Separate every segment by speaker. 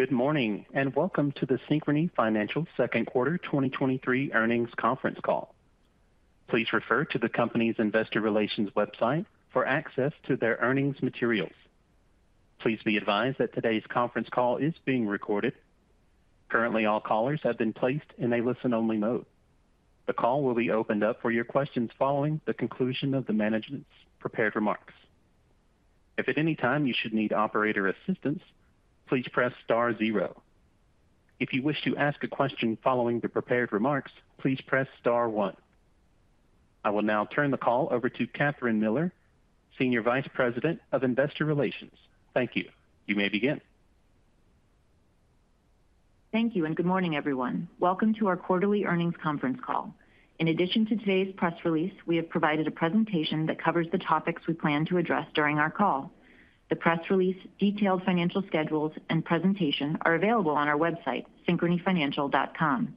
Speaker 1: Good morning, and welcome to the Synchrony Financial Second Quarter 2023 Earnings Conference Call. Please refer to the company's investor relations website for access to their earnings materials. Please be advised that today's conference call is being recorded. Currently, all callers have been placed in a listen-only mode. The call will be opened up for your questions following the conclusion of the management's prepared remarks. If at any time you should need operator assistance, please press star zero. If you wish to ask a question following the prepared remarks, please press star one. I will now turn the call over to Kathryn Miller, Senior Vice President of Investor Relations. Thank you. You may begin.
Speaker 2: Thank you. Good morning, everyone. Welcome to our Quarterly Earnings Conference Call. In addition to today's press release, we have provided a presentation that covers the topics we plan to address during our call. The press release, detailed financial schedules, and presentation are available on our website, synchronyfinancial.com.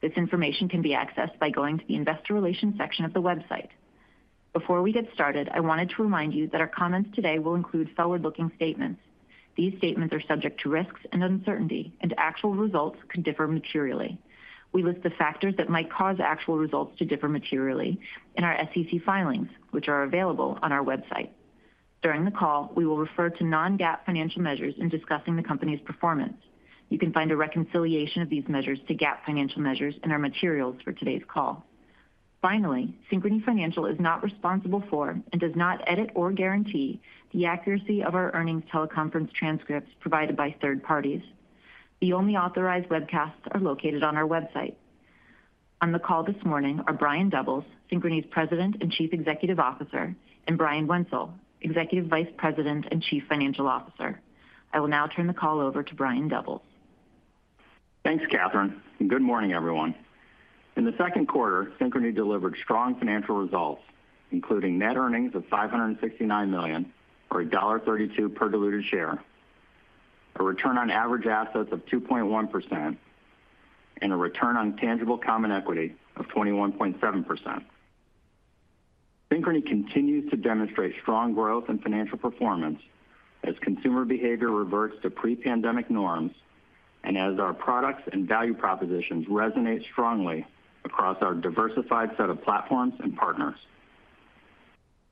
Speaker 2: This information can be accessed by going to the Investor Relations section of the website. Before we get started, I wanted to remind you that our comments today will include forward-looking statements. These statements are subject to risks and uncertainty, and actual results could differ materially. We list the factors that might cause actual results to differ materially in our SEC filings, which are available on our website. During the call, we will refer to non-GAAP financial measures in discussing the company's performance. You can find a reconciliation of these measures to GAAP financial measures in our materials for today's call. Finally, Synchrony Financial is not responsible for and does not edit or guarantee the accuracy of our earnings teleconference transcripts provided by third parties. The only authorized webcasts are located on our website. On the call this morning are Brian Doubles, Synchrony's President and Chief Executive Officer, and Brian Wenzel, Executive Vice President and Chief Financial Officer. I will now turn the call over to Brian Doubles.
Speaker 3: Thanks, Kathryn, and good morning, everyone. In the second quarter, Synchrony delivered strong financial results, including net earnings of $569 million, or $1.32 per diluted share, a return on average assets of 2.1%, and a return on tangible common equity of 21.7%. Synchrony continues to demonstrate strong growth and financial performance as consumer behavior reverts to pre-pandemic norms and as our products and value propositions resonate strongly across our diversified set of platforms and partners.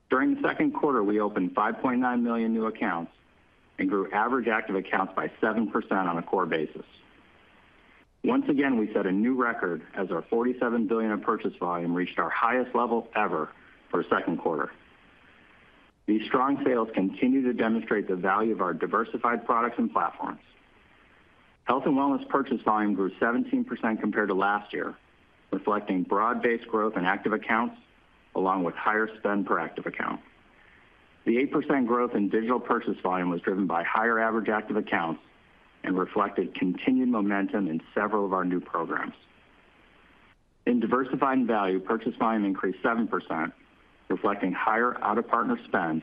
Speaker 3: During the second quarter, we opened 5.9 million new accounts and grew average active accounts by 7% on a core basis. Once again, we set a new record as our $47 billion in purchase volume reached our highest level ever for a second quarter. These strong sales continue to demonstrate the value of our diversified products and platforms. Health and wellness purchase volume grew 17% compared to last year, reflecting broad-based growth in active accounts along with higher spend per active account. The 8% growth in digital purchase volume was driven by higher average active accounts and reflected continued momentum in several of our new programs. In diversifying value, purchase volume increased 7%, reflecting higher out-of-partner spend,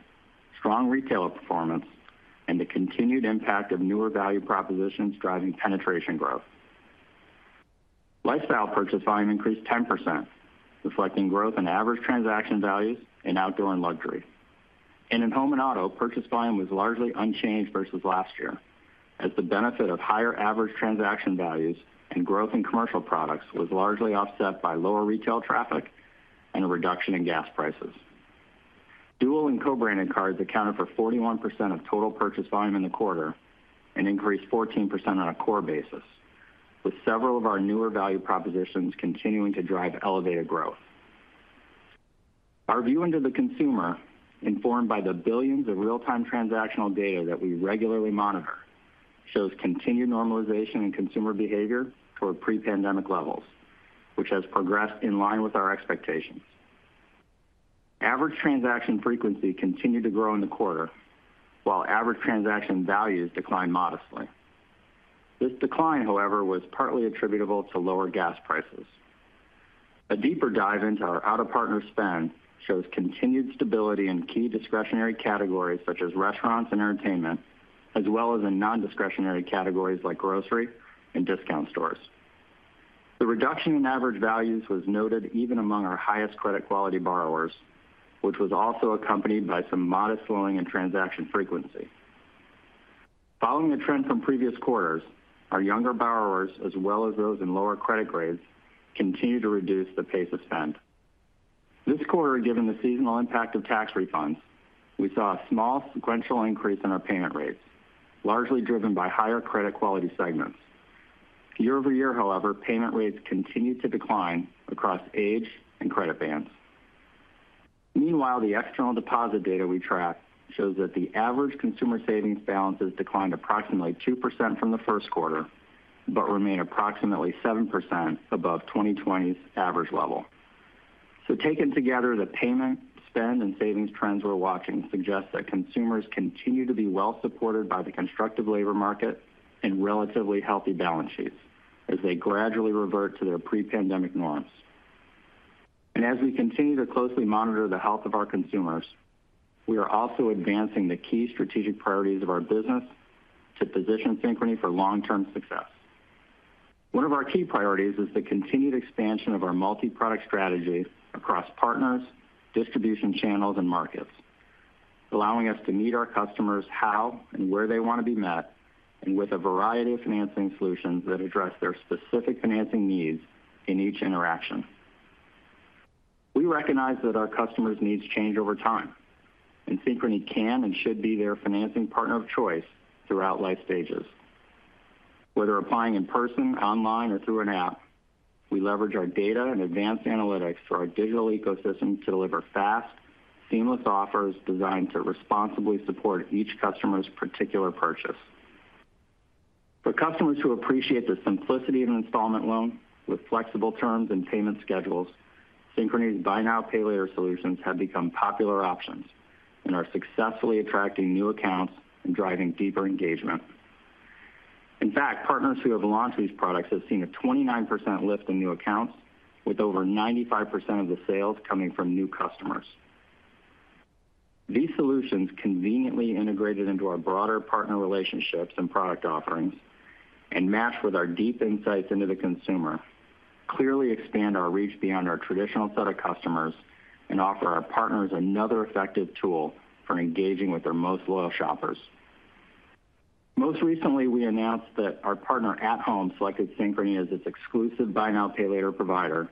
Speaker 3: strong retailer performance, and the continued impact of newer value propositions driving penetration growth. Lifestyle purchase volume increased 10%, reflecting growth in average transaction values in outdoor and luxury. In home and auto, purchase volume was largely unchanged versus last year, as the benefit of higher average transaction values and growth in commercial products was largely offset by lower retail traffic and a reduction in gas prices. Dual and co-branded cards accounted for 41% of total purchase volume in the quarter and increased 14% on a core basis, with several of our newer value propositions continuing to drive elevated growth. Our view into the consumer, informed by the billions of real-time transactional data that we regularly monitor, shows continued normalization in consumer behavior toward pre-pandemic levels, which has progressed in line with our expectations. Average transaction frequency continued to grow in the quarter, while average transaction values declined modestly. This decline, however, was partly attributable to lower gas prices. A deeper dive into our out-of-partner spend shows continued stability in key discretionary categories, such as restaurants and entertainment, as well as in non-discretionary categories like grocery and discount stores. The reduction in average values was noted even among our highest credit quality borrowers, which was also accompanied by some modest slowing in transaction frequency. Following the trend from previous quarters, our younger borrowers, as well as those in lower credit grades, continue to reduce the pace of spend. This quarter, given the seasonal impact of tax refunds, we saw a small sequential increase in our payment rates, largely driven by higher credit quality segments. Year over year, however, payment rates continued to decline across age and credit bands. Meanwhile, the external deposit data we track shows that the average consumer savings balances declined approximately 2% from the first quarter, but remain approximately 7% above 2020's average level. Taken together, the payment, spend, and savings trends we're watching suggest that consumers continue to be well supported by the constructive labor market and relatively healthy balance sheets as they gradually revert to their pre-pandemic norms. As we continue to closely monitor the health of our consumers, we are also advancing the key strategic priorities of our business to position Synchrony for long-term success. One of our key priorities is the continued expansion of our multi-product strategy across partners, distribution channels, and markets, allowing us to meet our customers how and where they want to be met, and with a variety of financing solutions that address their specific financing needs in each interaction. We recognize that our customers' needs change over time, and Synchrony can and should be their financing partner of choice throughout life stages. Whether applying in person, online, or through an app, we leverage our data and advanced analytics through our digital ecosystem to deliver fast, seamless offers designed to responsibly support each customer's particular purchase. For customers who appreciate the simplicity of an installment loan with flexible terms and payment schedules, Synchrony's Buy Now, Pay Later solutions have become popular options and are successfully attracting new accounts and driving deeper engagement. In fact, partners who have launched these products have seen a 29% lift in new accounts, with over 95% of the sales coming from new customers. These solutions conveniently integrated into our broader partner relationships and product offerings and match with our deep insights into the consumer, clearly expand our reach beyond our traditional set of customers and offer our partners another effective tool for engaging with their most loyal shoppers. Most recently, we announced that our partner At Home selected Synchrony as its exclusive Buy Now, Pay Later provider,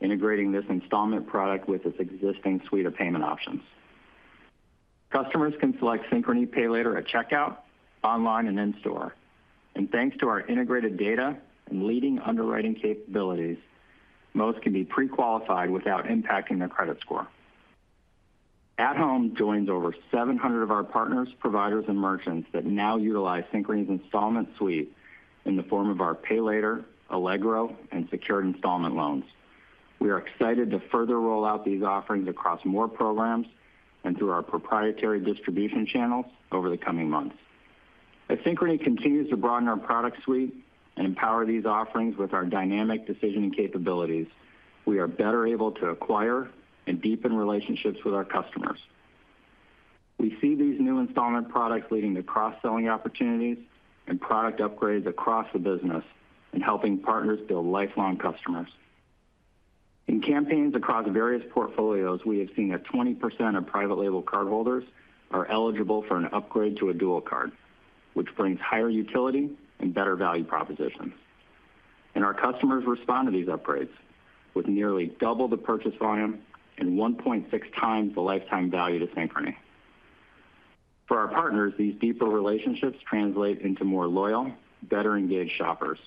Speaker 3: integrating this installment product with its existing suite of payment options. Customers can select Synchrony Pay Later at checkout, online, and in-store, and thanks to our integrated data and leading underwriting capabilities, most can be pre-qualified without impacting their credit score. At Home joins over 700 of our partners, providers, and merchants that now utilize Synchrony's installment suite in the form of our Pay Later, Allegro, and secured installment loans. We are excited to further roll out these offerings across more programs and through our proprietary distribution channels over the coming months. As Synchrony continues to broaden our product suite and empower these offerings with our dynamic decisioning capabilities, we are better able to acquire and deepen relationships with our customers. We see these new installment products leading to cross-selling opportunities and product upgrades across the business, and helping partners build lifelong customers. In campaigns across various portfolios, we have seen that 20% of private label cardholders are eligible for an upgrade to a dual card, which brings higher utility and better value propositions. Our customers respond to these upgrades with nearly double the purchase volume and 1.6 times the lifetime value to Synchrony. For our partners, these deeper relationships translate into more loyal, better-engaged shoppers.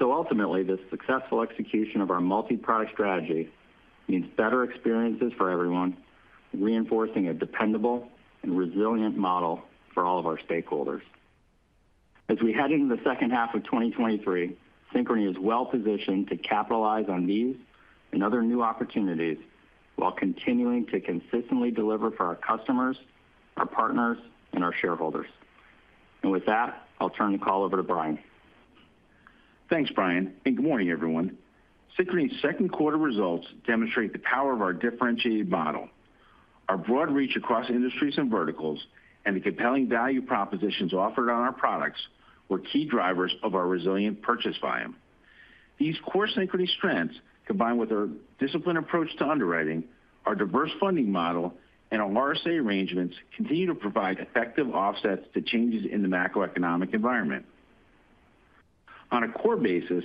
Speaker 3: Ultimately, the successful execution of our multi-product strategy means better experiences for everyone, reinforcing a dependable and resilient model for all of our stakeholders. As we head into the second half of 2023, Synchrony is well positioned to capitalize on these and other new opportunities while continuing to consistently deliver for our customers, our partners, and our shareholders. With that, I'll turn the call over to Brian.
Speaker 4: Thanks, Brian. Good morning, everyone. Synchrony's second quarter results demonstrate the power of our differentiated model. Our broad reach across industries and verticals, and the compelling value propositions offered on our products were key drivers of our resilient purchase volume. These core Synchrony strengths, combined with our disciplined approach to underwriting, our diverse funding model, and our RSA arrangements, continue to provide effective offsets to changes in the macroeconomic environment. On a core basis,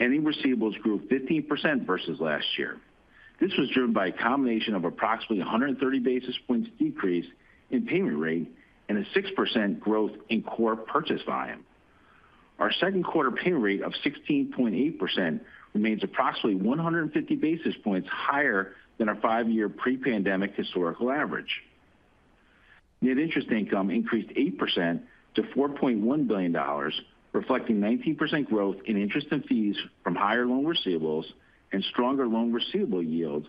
Speaker 4: ending receivables grew 15% versus last year. This was driven by a combination of approximately 130 basis points decrease in payment rate and a 6% growth in core purchase volume. Our second quarter payment rate of 16.8% remains approximately 150 basis points higher than our five-year pre-pandemic historical average. Net interest income increased 8% to $4.1 billion, reflecting 19% growth in interest and fees from higher loan receivables and stronger loan receivable yields,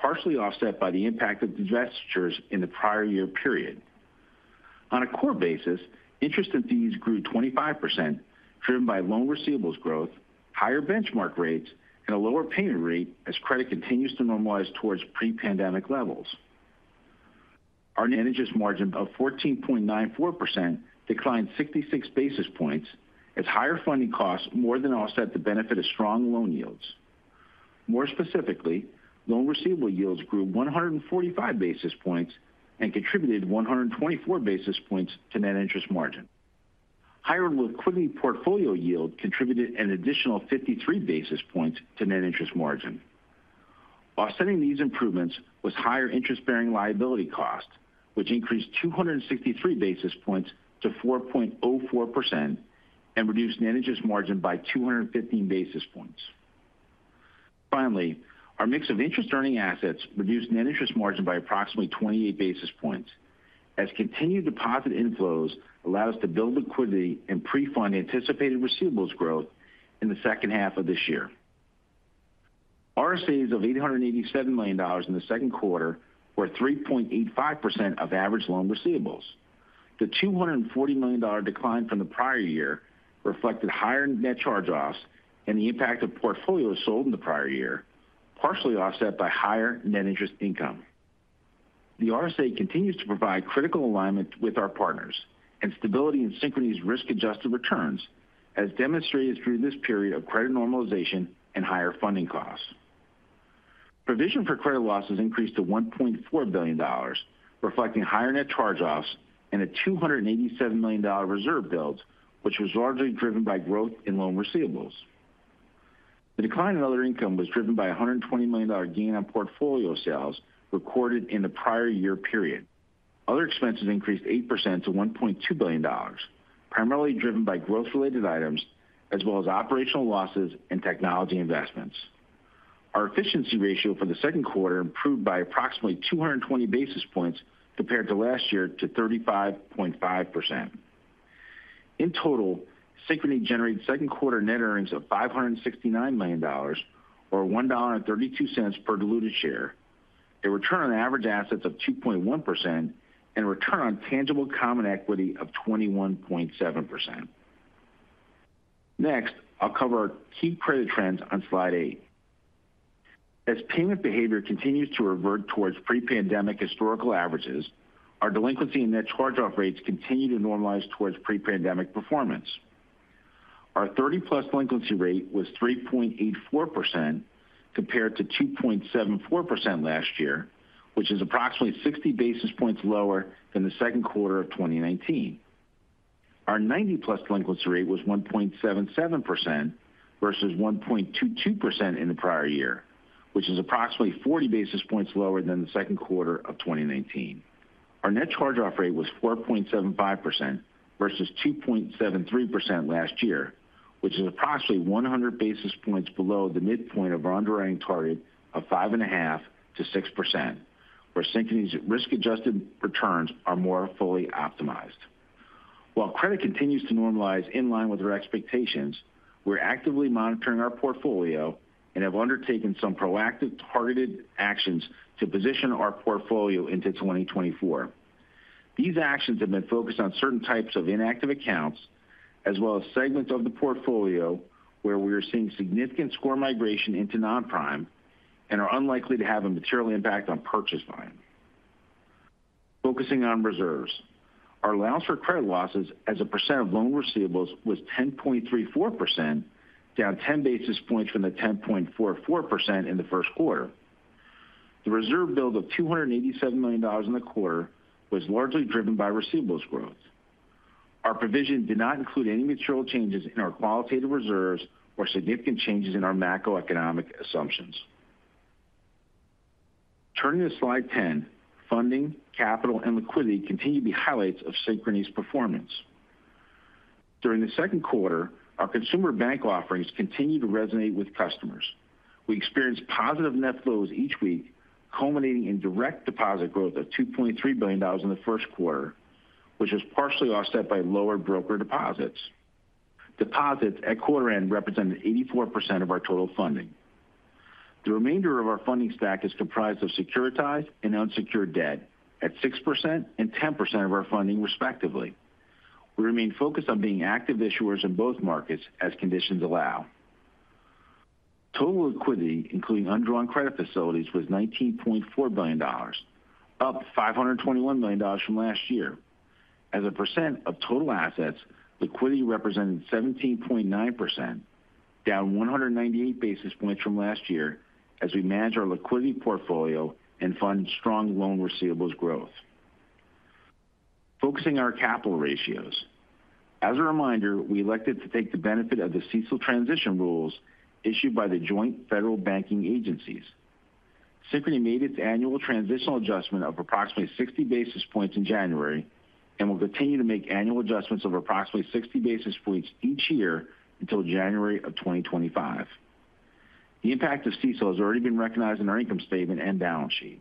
Speaker 4: partially offset by the impact of divestitures in the prior year period. On a core basis, interest and fees grew 25%, driven by loan receivables growth, higher benchmark rates, and a lower payment rate as credit continues to normalize towards pre-pandemic levels. Our net interest margin of 14.94% declined 66 basis points, as higher funding costs more than offset the benefit of strong loan yields. More specifically, loan receivable yields grew 145 basis points and contributed 124 basis points to net interest margin. Higher liquidity portfolio yield contributed an additional 53 basis points to net interest margin. Offsetting these improvements was higher interest-bearing liability cost, which increased 263 basis points to 4.4% and reduced net interest margin by 215 basis points. Our mix of interest-earning assets reduced net interest margin by approximately 28 basis points, as continued deposit inflows allow us to build liquidity and pre-fund anticipated receivables growth in the second half of this year. RSAs of $887 million in the second quarter were 3.85% of average loan receivables. The $240 million decline from the prior year reflected higher net charge-offs and the impact of portfolios sold in the prior year, partially offset by higher net interest income. The RSA continues to provide critical alignment with our partners and stability in Synchrony's risk-adjusted returns, as demonstrated through this period of credit normalization and higher funding costs. Provision for credit losses increased to $1.4 billion, reflecting higher NCOs and a $287 million reserve build, which was largely driven by growth in loan receivables. The decline in other income was driven by a $120 million gain on portfolio sales recorded in the prior year period. Other expenses increased 8% to $1.2 billion, primarily driven by growth-related items, as well as operational losses and technology investments. Our efficiency ratio for the second quarter improved by approximately 220 basis points compared to last year to 35.5%. In total, Synchrony generated second quarter net earnings of $569 million or $1.32 per diluted share, a return on average assets of 2.1% and a return on tangible common equity of 21.7%. Next, I'll cover our key credit trends on Slide 8. As payment behavior continues to revert towards pre-pandemic historical averages, our delinquency and net charge-off rates continue to normalize towards pre-pandemic performance. Our 30-plus delinquency rate was 3.84% compared to 2.74% last year, which is approximately 60 basis points lower than the second quarter of 2019. Our 90-plus delinquency rate was 1.77% versus 1.22% in the prior year, which is approximately 40 basis points lower than the second quarter of 2019. Our net charge-off rate was 4.75% versus 2.73% last year, which is approximately 100 basis points below the midpoint of our underwriting target of 5.5%-6%, where Synchrony's risk-adjusted returns are more fully optimized. While credit continues to normalize in line with our expectations, we're actively monitoring our portfolio and have undertaken some proactive, targeted actions to position our portfolio into 2024. These actions have been focused on certain types of inactive accounts, as well as segments of the portfolio where we are seeing significant score migration into non-prime and are unlikely to have a material impact on purchase volume. Focusing on reserves, our allowance for credit losses as a percent of loan receivables was 10.34%, down 10 basis points from the 10.44% in the first quarter. The reserve build of $287 million in the quarter was largely driven by receivables growth. Our provision did not include any material changes in our qualitative reserves or significant changes in our macroeconomic assumptions. Turning to slide 10, funding, capital, and liquidity continue to be highlights of Synchrony's performance. During the second quarter, our consumer bank offerings continued to resonate with customers. We experienced positive net flows each week, culminating in direct deposit growth of $2.3 billion in the first quarter, which was partially offset by lower broker deposits. Deposits at quarter end represented 84% of our total funding. The remainder of our funding stack is comprised of securitized and unsecured debt at 6% and 10% of our funding, respectively. We remain focused on being active issuers in both markets as conditions allow. Total liquidity, including undrawn credit facilities, was $19.4 billion, up $521 million from last year. As a percent of total assets, liquidity represented 17.9%, down 198 basis points from last year, as we manage our liquidity portfolio and fund strong loan receivables growth. Focusing on our capital ratios. As a reminder, we elected to take the benefit of the CECL transition rules issued by the joint federal banking agencies. Synchrony made its annual transitional adjustment of approximately 60 basis points in January and will continue to make annual adjustments of approximately 60 basis points each year until January of 2025. The impact of CECL has already been recognized in our income statement and balance sheet.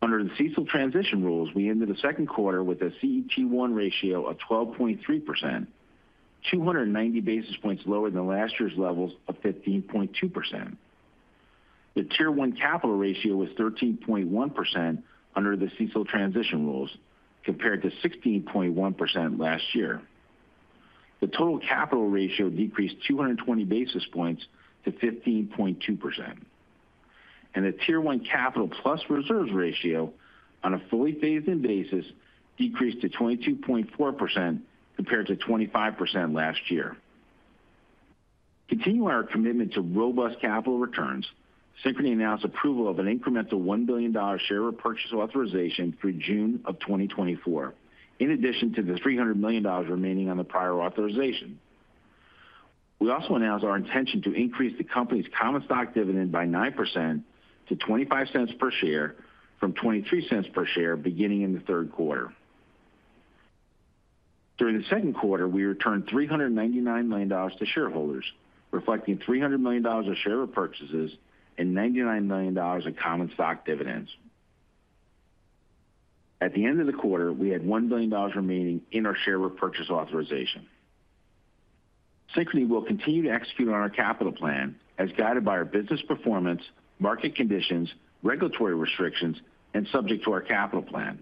Speaker 4: Under the CECL transition rules, we ended the second quarter with a CET1 ratio of 12.3%, 290 basis points lower than last year's levels of 15.2%. The Tier 1 capital ratio was 13.1% under the CECL transition rules, compared to 16.1% last year. The total capital ratio decreased 220 basis points to 15.2%, and the Tier 1 capital plus reserves ratio, on a fully phased-in basis, decreased to 22.4%, compared to 25% last year. Continuing our commitment to robust capital returns, Synchrony announced approval of an incremental $1 billion share repurchase authorization through June of 2024, in addition to the $300 million remaining on the prior authorization. We also announced our intention to increase the company's common stock dividend by 9% to $0.25 per share from $0.23 per share, beginning in the third quarter. During the second quarter, we returned $399 million to shareholders, reflecting $300 million of share repurchases and $99 million in common stock dividends. At the end of the quarter, we had $1 billion remaining in our share repurchase authorization. Synchrony will continue to execute on our capital plan as guided by our business performance, market conditions, regulatory restrictions, and subject to our capital plan.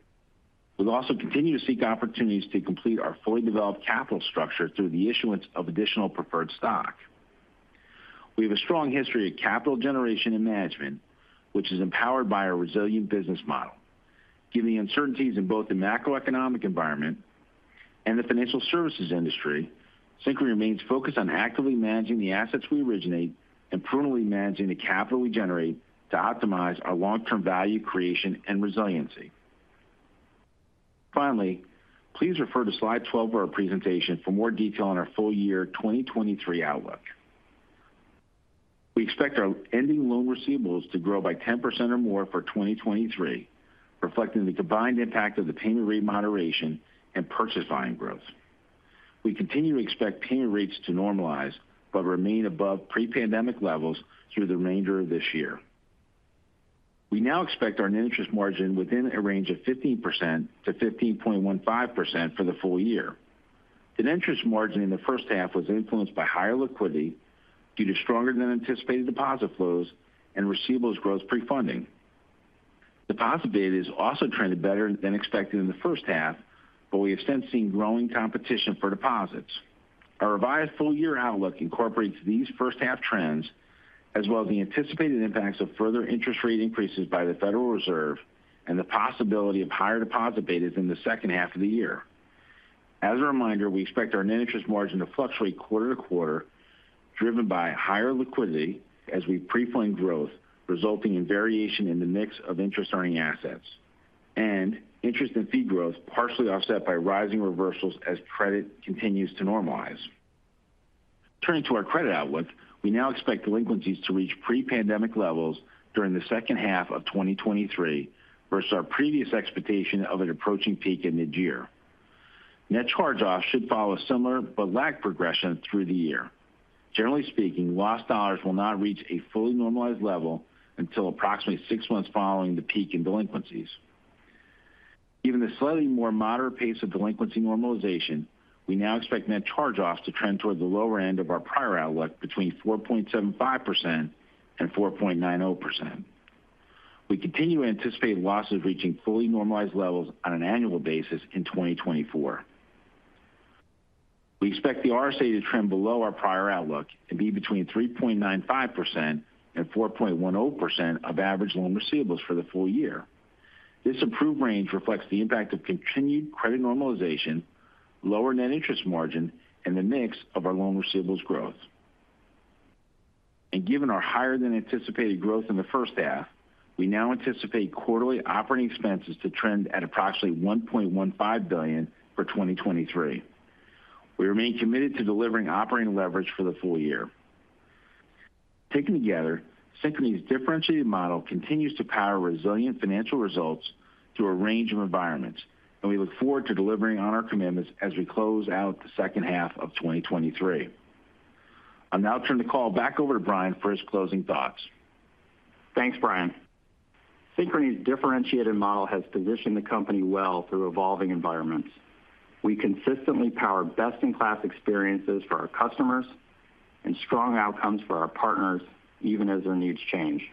Speaker 4: We'll also continue to seek opportunities to complete our fully developed capital structure through the issuance of additional preferred stock. We have a strong history of capital generation and management, which is empowered by our resilient business model. Given the uncertainties in both the macroeconomic environment and the financial services industry, Synchrony remains focused on actively managing the assets we originate and prudently managing the capital we generate to optimize our long-term value creation and resiliency. Please refer to slide 12 of our presentation for more detail on our full year 2023 outlook. We expect our ending loan receivables to grow by 10% or more for 2023, reflecting the combined impact of the payment rate moderation and purchase volume growth. We continue to expect payment rates to normalize, but remain above pre-pandemic levels through the remainder of this year. We now expect our net interest margin within a range of 15%-15.15% for the full year. The net interest margin in the first half was influenced by higher liquidity due to stronger than anticipated deposit flows and receivables growth pre-funding. Deposit beta has also trended better than expected in the first half. We have since seen growing competition for deposits. Our revised full year outlook incorporates these first half trends, as well as the anticipated impacts of further interest rate increases by the Federal Reserve and the possibility of higher deposit betas in the second half of the year. As a reminder, we expect our net interest margin to fluctuate quarter to quarter, driven by higher liquidity as we pre-fund growth, resulting in variation in the mix of interest-earning assets, and interest and fee growth, partially offset by rising reversals as credit continues to normalize. Turning to our credit outlook, we now expect delinquencies to reach pre-pandemic levels during the second half of 2023, versus our previous expectation of an approaching peak in mid-year. Net Charge-Offs should follow a similar but lag progression through the year. Generally speaking, loss dollars will not reach a fully normalized level until approximately six months following the peak in delinquencies. Given the slightly more moderate pace of delinquency normalization, we now expect Net Charge-Offs to trend towards the lower end of our prior outlook, between 4.75% and 4.9%. We continue to anticipate losses reaching fully normalized levels on an annual basis in 2024. We expect the RSA to trend below our prior outlook and be between 3.95% and 4.1% of average loan receivables for the full year. This approved range reflects the impact of continued credit normalization, lower net interest margin, and the mix of our loan receivables growth. Given our higher than anticipated growth in the first half, we now anticipate quarterly operating expenses to trend at approximately $1.15 billion for 2023. We remain committed to delivering operating leverage for the full year. Taken together, Synchrony's differentiated model continues to power resilient financial results through a range of environments. We look forward to delivering on our commitments as we close out the second half of 2023. I'll now turn the call back over to Brian for his closing thoughts. Thanks, Brian. Synchrony's differentiated model has positioned the company well through evolving environments. We consistently power best-in-class experiences for our customers and strong outcomes for our partners, even as their needs change.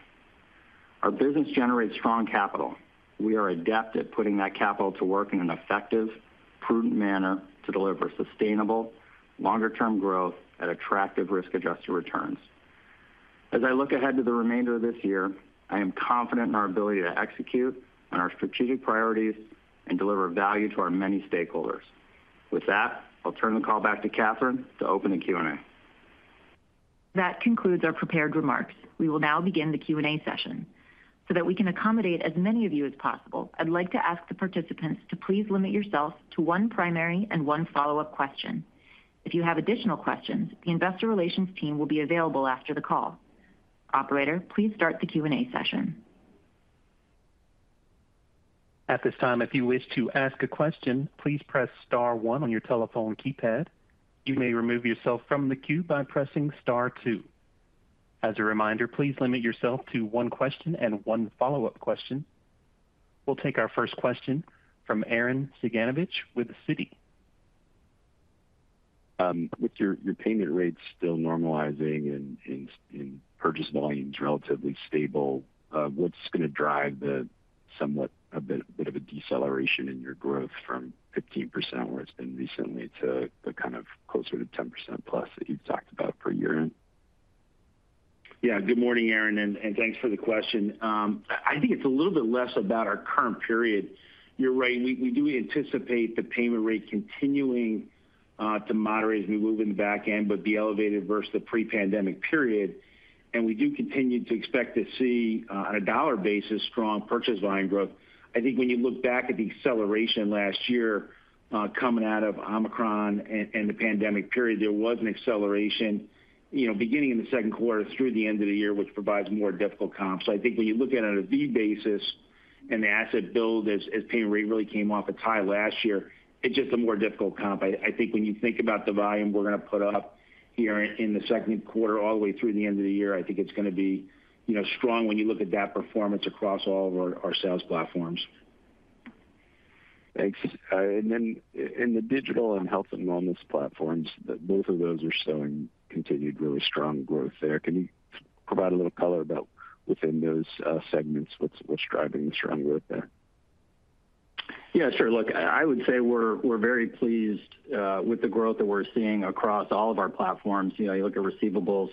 Speaker 4: Our business generates strong capital. We are adept at putting that capital to work in an effective, prudent manner to deliver sustainable, longer-term growth at attractive risk-adjusted returns. As I look ahead to the remainder of this year, I am confident in our ability to execute on our strategic priorities and deliver value to our many stakeholders. With that, I'll turn the call back to Kathryrn to open the Q&A.
Speaker 2: That concludes our prepared remarks. We will now begin the Q&A session. That we can accommodate as many of you as possible, I'd like to ask the participants to please limit yourself to one primary and one follow-up question. If you have additional questions, the investor relations team will be available after the call. Operator, please start the Q&A session.
Speaker 1: At this time, if you wish to ask a question, please press star one on your telephone keypad. You may remove yourself from the queue by pressing star two. As a reminder, please limit yourself to one question and one follow up question. We'll take our first question from Arren Cyganovich with Citi.
Speaker 5: With your payment rates still normalizing and purchase volumes relatively stable, what's going to drive the somewhat a bit of a deceleration in your growth from 15%, where it's been recently, to the kind of closer to 10%+ that you've talked about for year-end?
Speaker 3: Yeah. Good morning, Arren, and thanks for the question. I think it's a little bit less about our current period. You're right, we do anticipate the payment rate continuing to moderate as we move in the back end, but be elevated versus the pre-pandemic period. We do continue to expect to see on a dollar basis, strong purchase volume growth. I think when you look back at the acceleration last year, coming out of Omicron and the pandemic period, there was an acceleration, you know, beginning in the second quarter through the end of the year, which provides more difficult comps. I think when you look at it on a B basis and the asset build as payment rate really came off a tie last year, it's just a more difficult comp. I think when you think about the volume we're going to put up here in the second quarter all the way through the end of the year, I think it's going to be, you know, strong when you look at that performance across all of our sales platforms.
Speaker 5: Thanks. In the digital and health and wellness platforms, both of those are showing continued really strong growth there. Can you provide a little color about within those segments, what's driving the strong growth there?
Speaker 3: Yeah, sure. Look, I would say we're very pleased with the growth that we're seeing across all of our platforms. You know, you look at receivables,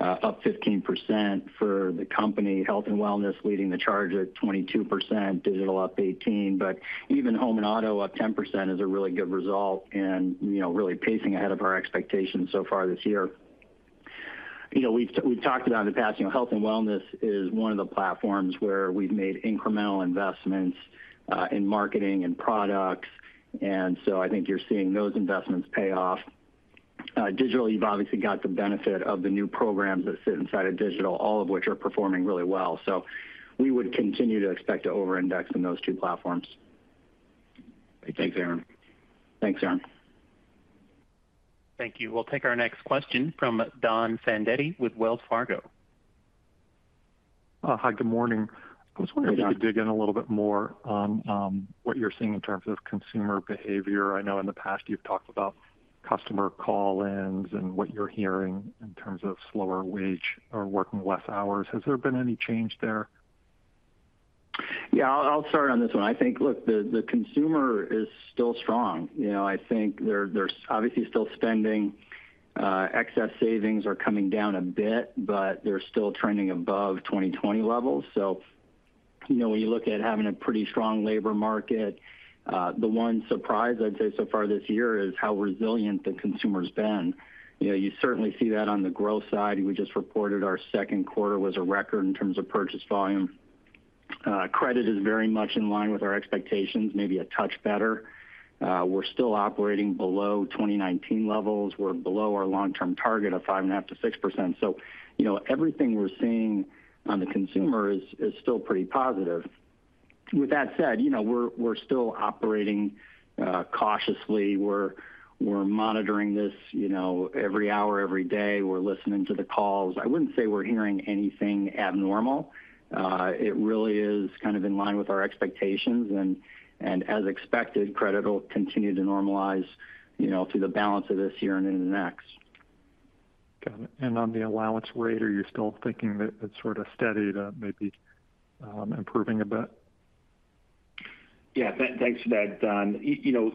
Speaker 3: up 15% for the company, Health and Wellness leading the charge at 22%, Digital up 18%. Even Home and Auto up 10% is a really good result and, you know, really pacing ahead of our expectations so far this year. You know, we've talked about in the past, you know, Health and Wellness is one of the platforms where we've made incremental investments in marketing and products, and so I think you're seeing those investments pay off. Digital, you've obviously got the benefit of the new programs that sit inside of Digital, all of which are performing really well. We would continue to expect to over-index in those two platforms.
Speaker 5: Great. Thanks, Brian.
Speaker 3: Thanks, Arren.
Speaker 1: Thank you. We'll take our next question from Don Fandetti with Wells Fargo.
Speaker 6: Hi, good morning.
Speaker 3: Hi, Don.
Speaker 6: I was wondering if you could dig in a little bit more on what you're seeing in terms of consumer behavior. I know in the past you've talked about customer call-ins and what you're hearing in terms of slower wage or working less hours. Has there been any change there?
Speaker 3: Yeah, I'll start on this one. I think, look, the consumer is still strong. You know, I think they're obviously still spending. Excess savings are coming down a bit, but they're still trending above 2020 levels. You know, when you look at having a pretty strong labor market, the one surprise I'd say so far this year is how resilient the consumer's been. You know, you certainly see that on the growth side. We just reported our second quarter was a record in terms of purchase volume. Credit is very much in line with our expectations, maybe a touch better. We're still operating below 2019 levels. We're below our long-term target of 5.5%-6%. You know, everything we're seeing on the consumer is still pretty positive. With that said, you know, we're still operating cautiously. We're monitoring this, you know, every hour, every day. We're listening to the calls. I wouldn't say we're hearing anything abnormal. It really is kind of in line with our expectations, and as expected, credit will continue to normalize, you know, through the balance of this year and into the next.
Speaker 6: Got it. On the allowance rate, are you still thinking that it's sort of steady to maybe improving a bit?
Speaker 3: Yeah. Thanks for that, Don. You know,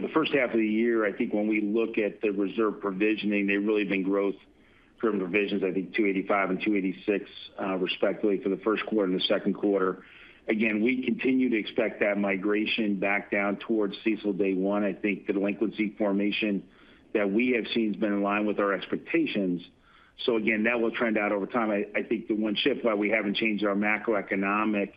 Speaker 3: the first half of the year, I think when we look at the reserve provisioning, they've really been growth from provisions, I think 285 and 286, respectively, for the first quarter and the second quarter. Again, we continue to expect that migration back down towards CECL day one. I think the delinquency formation that we have seen has been in line with our expectations. Again, that will trend out over time. I think the one shift why we haven't changed our macroeconomic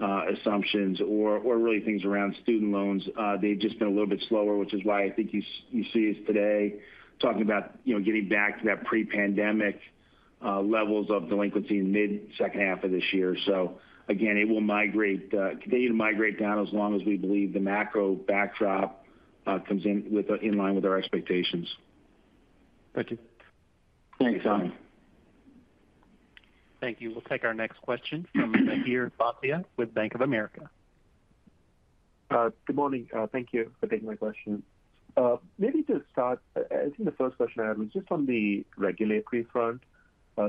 Speaker 3: assumptions or really things around student loans, they've just been a little bit slower, which is why I think you see us today talking about, you know, getting back to that pre-pandemic levels of delinquency in mid-second half of this year. Again, it will migrate, continue to migrate down as long as we believe the macro backdrop comes in with In line with our expectations.
Speaker 6: Thank you.
Speaker 3: Thanks, Don.
Speaker 1: Thank you. We'll take our next question from Mihir Bhatia with Bank of America.
Speaker 7: Good morning. Thank you for taking my question. Maybe to start, I think the first question I had was just on the regulatory front,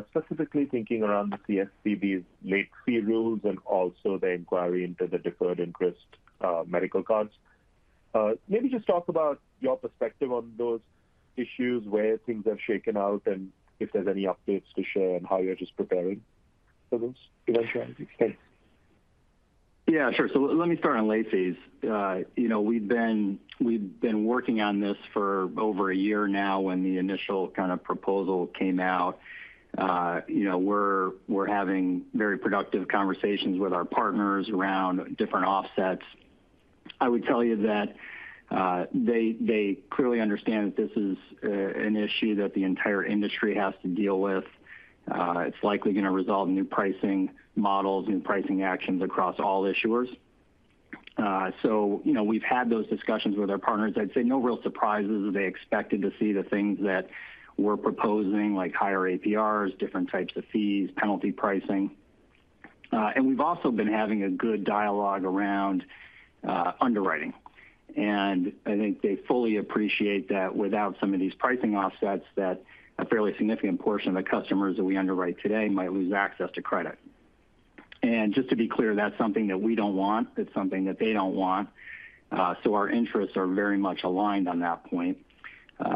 Speaker 7: specifically thinking around the CFPB's late fee rules and also the inquiry into the deferred interest, medical cards. Maybe just talk about your perspective on those issues, where things have shaken out, and if there's any updates to share on how you're just preparing for those events? Thanks.
Speaker 3: Yeah, sure. Let me start on late fees. You know, we've been working on this for over a year now, when the initial kind of proposal came out. You know, we're having very productive conversations with our partners around different offsets. I would tell you that, they clearly understand that this is an issue that the entire industry has to deal with. It's likely going to result in new pricing models, new pricing actions across all issuers. You know, we've had those discussions with our partners. I'd say no real surprises. They expected to see the things that we're proposing, like higher APRs, different types of fees, penalty pricing. We've also been having a good dialogue around underwriting. I think they fully appreciate that without some of these pricing offsets, that a fairly significant portion of the customers that we underwrite today might lose access to credit. Just to be clear, that's something that we don't want. It's something that they don't want. Our interests are very much aligned on that point.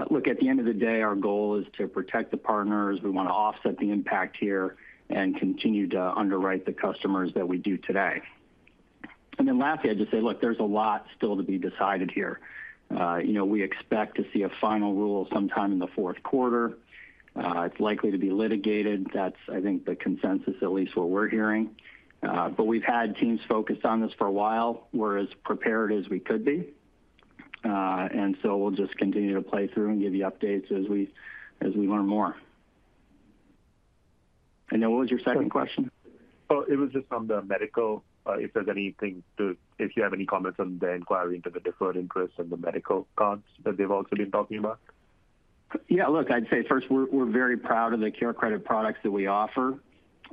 Speaker 3: Look, at the end of the day, our goal is to protect the partners. We want to offset the impact here and continue to underwrite the customers that we do today. Lastly, I'd just say, look, there's a lot still to be decided here. You know, we expect to see a final rule sometime in the fourth quarter. It's likely to be litigated. That's, I think, the consensus, at least what we're hearing. But we've had teams focused on this for a while. We're as prepared as we could be. We'll just continue to play through and give you updates as we learn more. What was your second question?
Speaker 7: It was just on the medical, If you have any comments on the inquiry into the deferred interest and the medical cards that they've also been talking about?
Speaker 3: Yeah, look, I'd say first, we're very proud of the CareCredit products that we offer.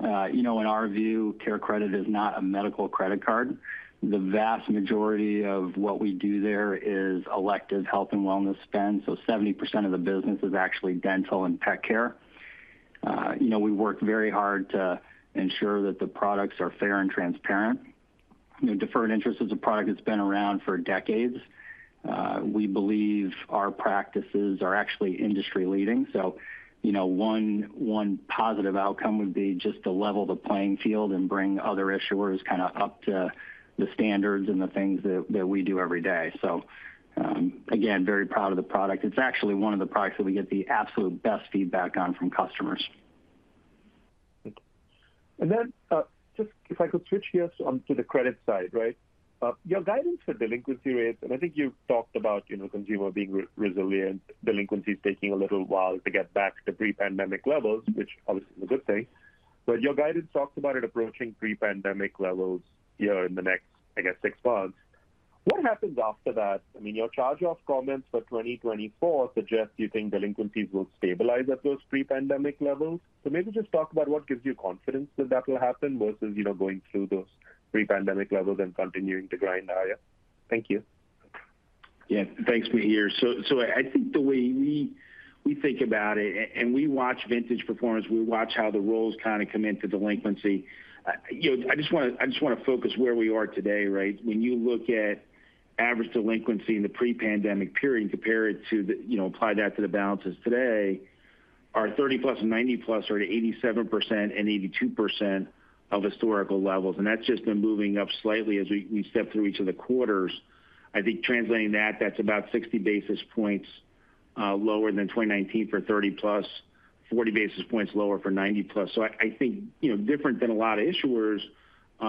Speaker 3: You know, in our view, CareCredit is not a medical credit card. The vast majority of what we do there is elective health and wellness spend, so 70% of the business is actually dental and pet care.... you know, we work very hard to ensure that the products are fair and transparent. You know, deferred interest as a product has been around for decades. We believe our practices are actually industry-leading. You know, one positive outcome would be just to level the playing field and bring other issuers kind of up to the standards and the things that we do every day. Again, very proud of the product. It's actually one of the products that we get the absolute best feedback on from customers.
Speaker 7: Just if I could switch gears on to the credit side, right? Your guidance for delinquency rates, and I think you've talked about, you know, consumer being resilient, delinquencies taking a little while to get back to pre-pandemic levels, which obviously is a good thing. Your guidance talks about it approaching pre-pandemic levels here in the next, I guess, six months. What happens after that? I mean, your charge-off comments for 2024 suggest you think delinquencies will stabilize at those pre-pandemic levels. Maybe just talk about what gives you confidence that that will happen versus, you know, going through those pre-pandemic levels and continuing to grind higher. Thank you.
Speaker 3: Yeah, thanks, Mihir. I think the way we think about it, and we watch vintage performance, we watch how the roles kind of come into delinquency. I just want to focus where we are today, right. When you look at average delinquency in the pre-pandemic period and compare it to apply that to the balances today, our 30 plus and 90 plus are at 87% and 82% of historical levels, and that's just been moving up slightly as we step through each of the quarters. I think translating that's about 60 basis points lower than 2019 for 30 plus, 40 basis points lower for 90 plus. I think, you know, different than a lot of issuers,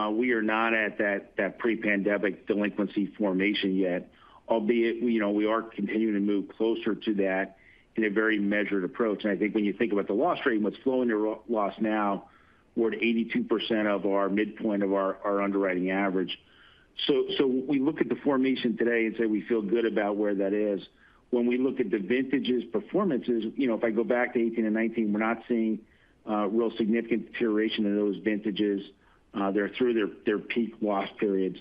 Speaker 3: we are not at that pre-pandemic delinquency formation yet, albeit, you know, we are continuing to move closer to that in a very measured approach. I think when you think about the loss rate and what's flowing your loss now, we're at 82% of our midpoint of our underwriting average. We look at the formation today and say we feel good about where that is. When we look at the vintages performances, you know, if I go back to 18 and 19, we're not seeing real significant deterioration of those vintages. They're through their peak loss periods.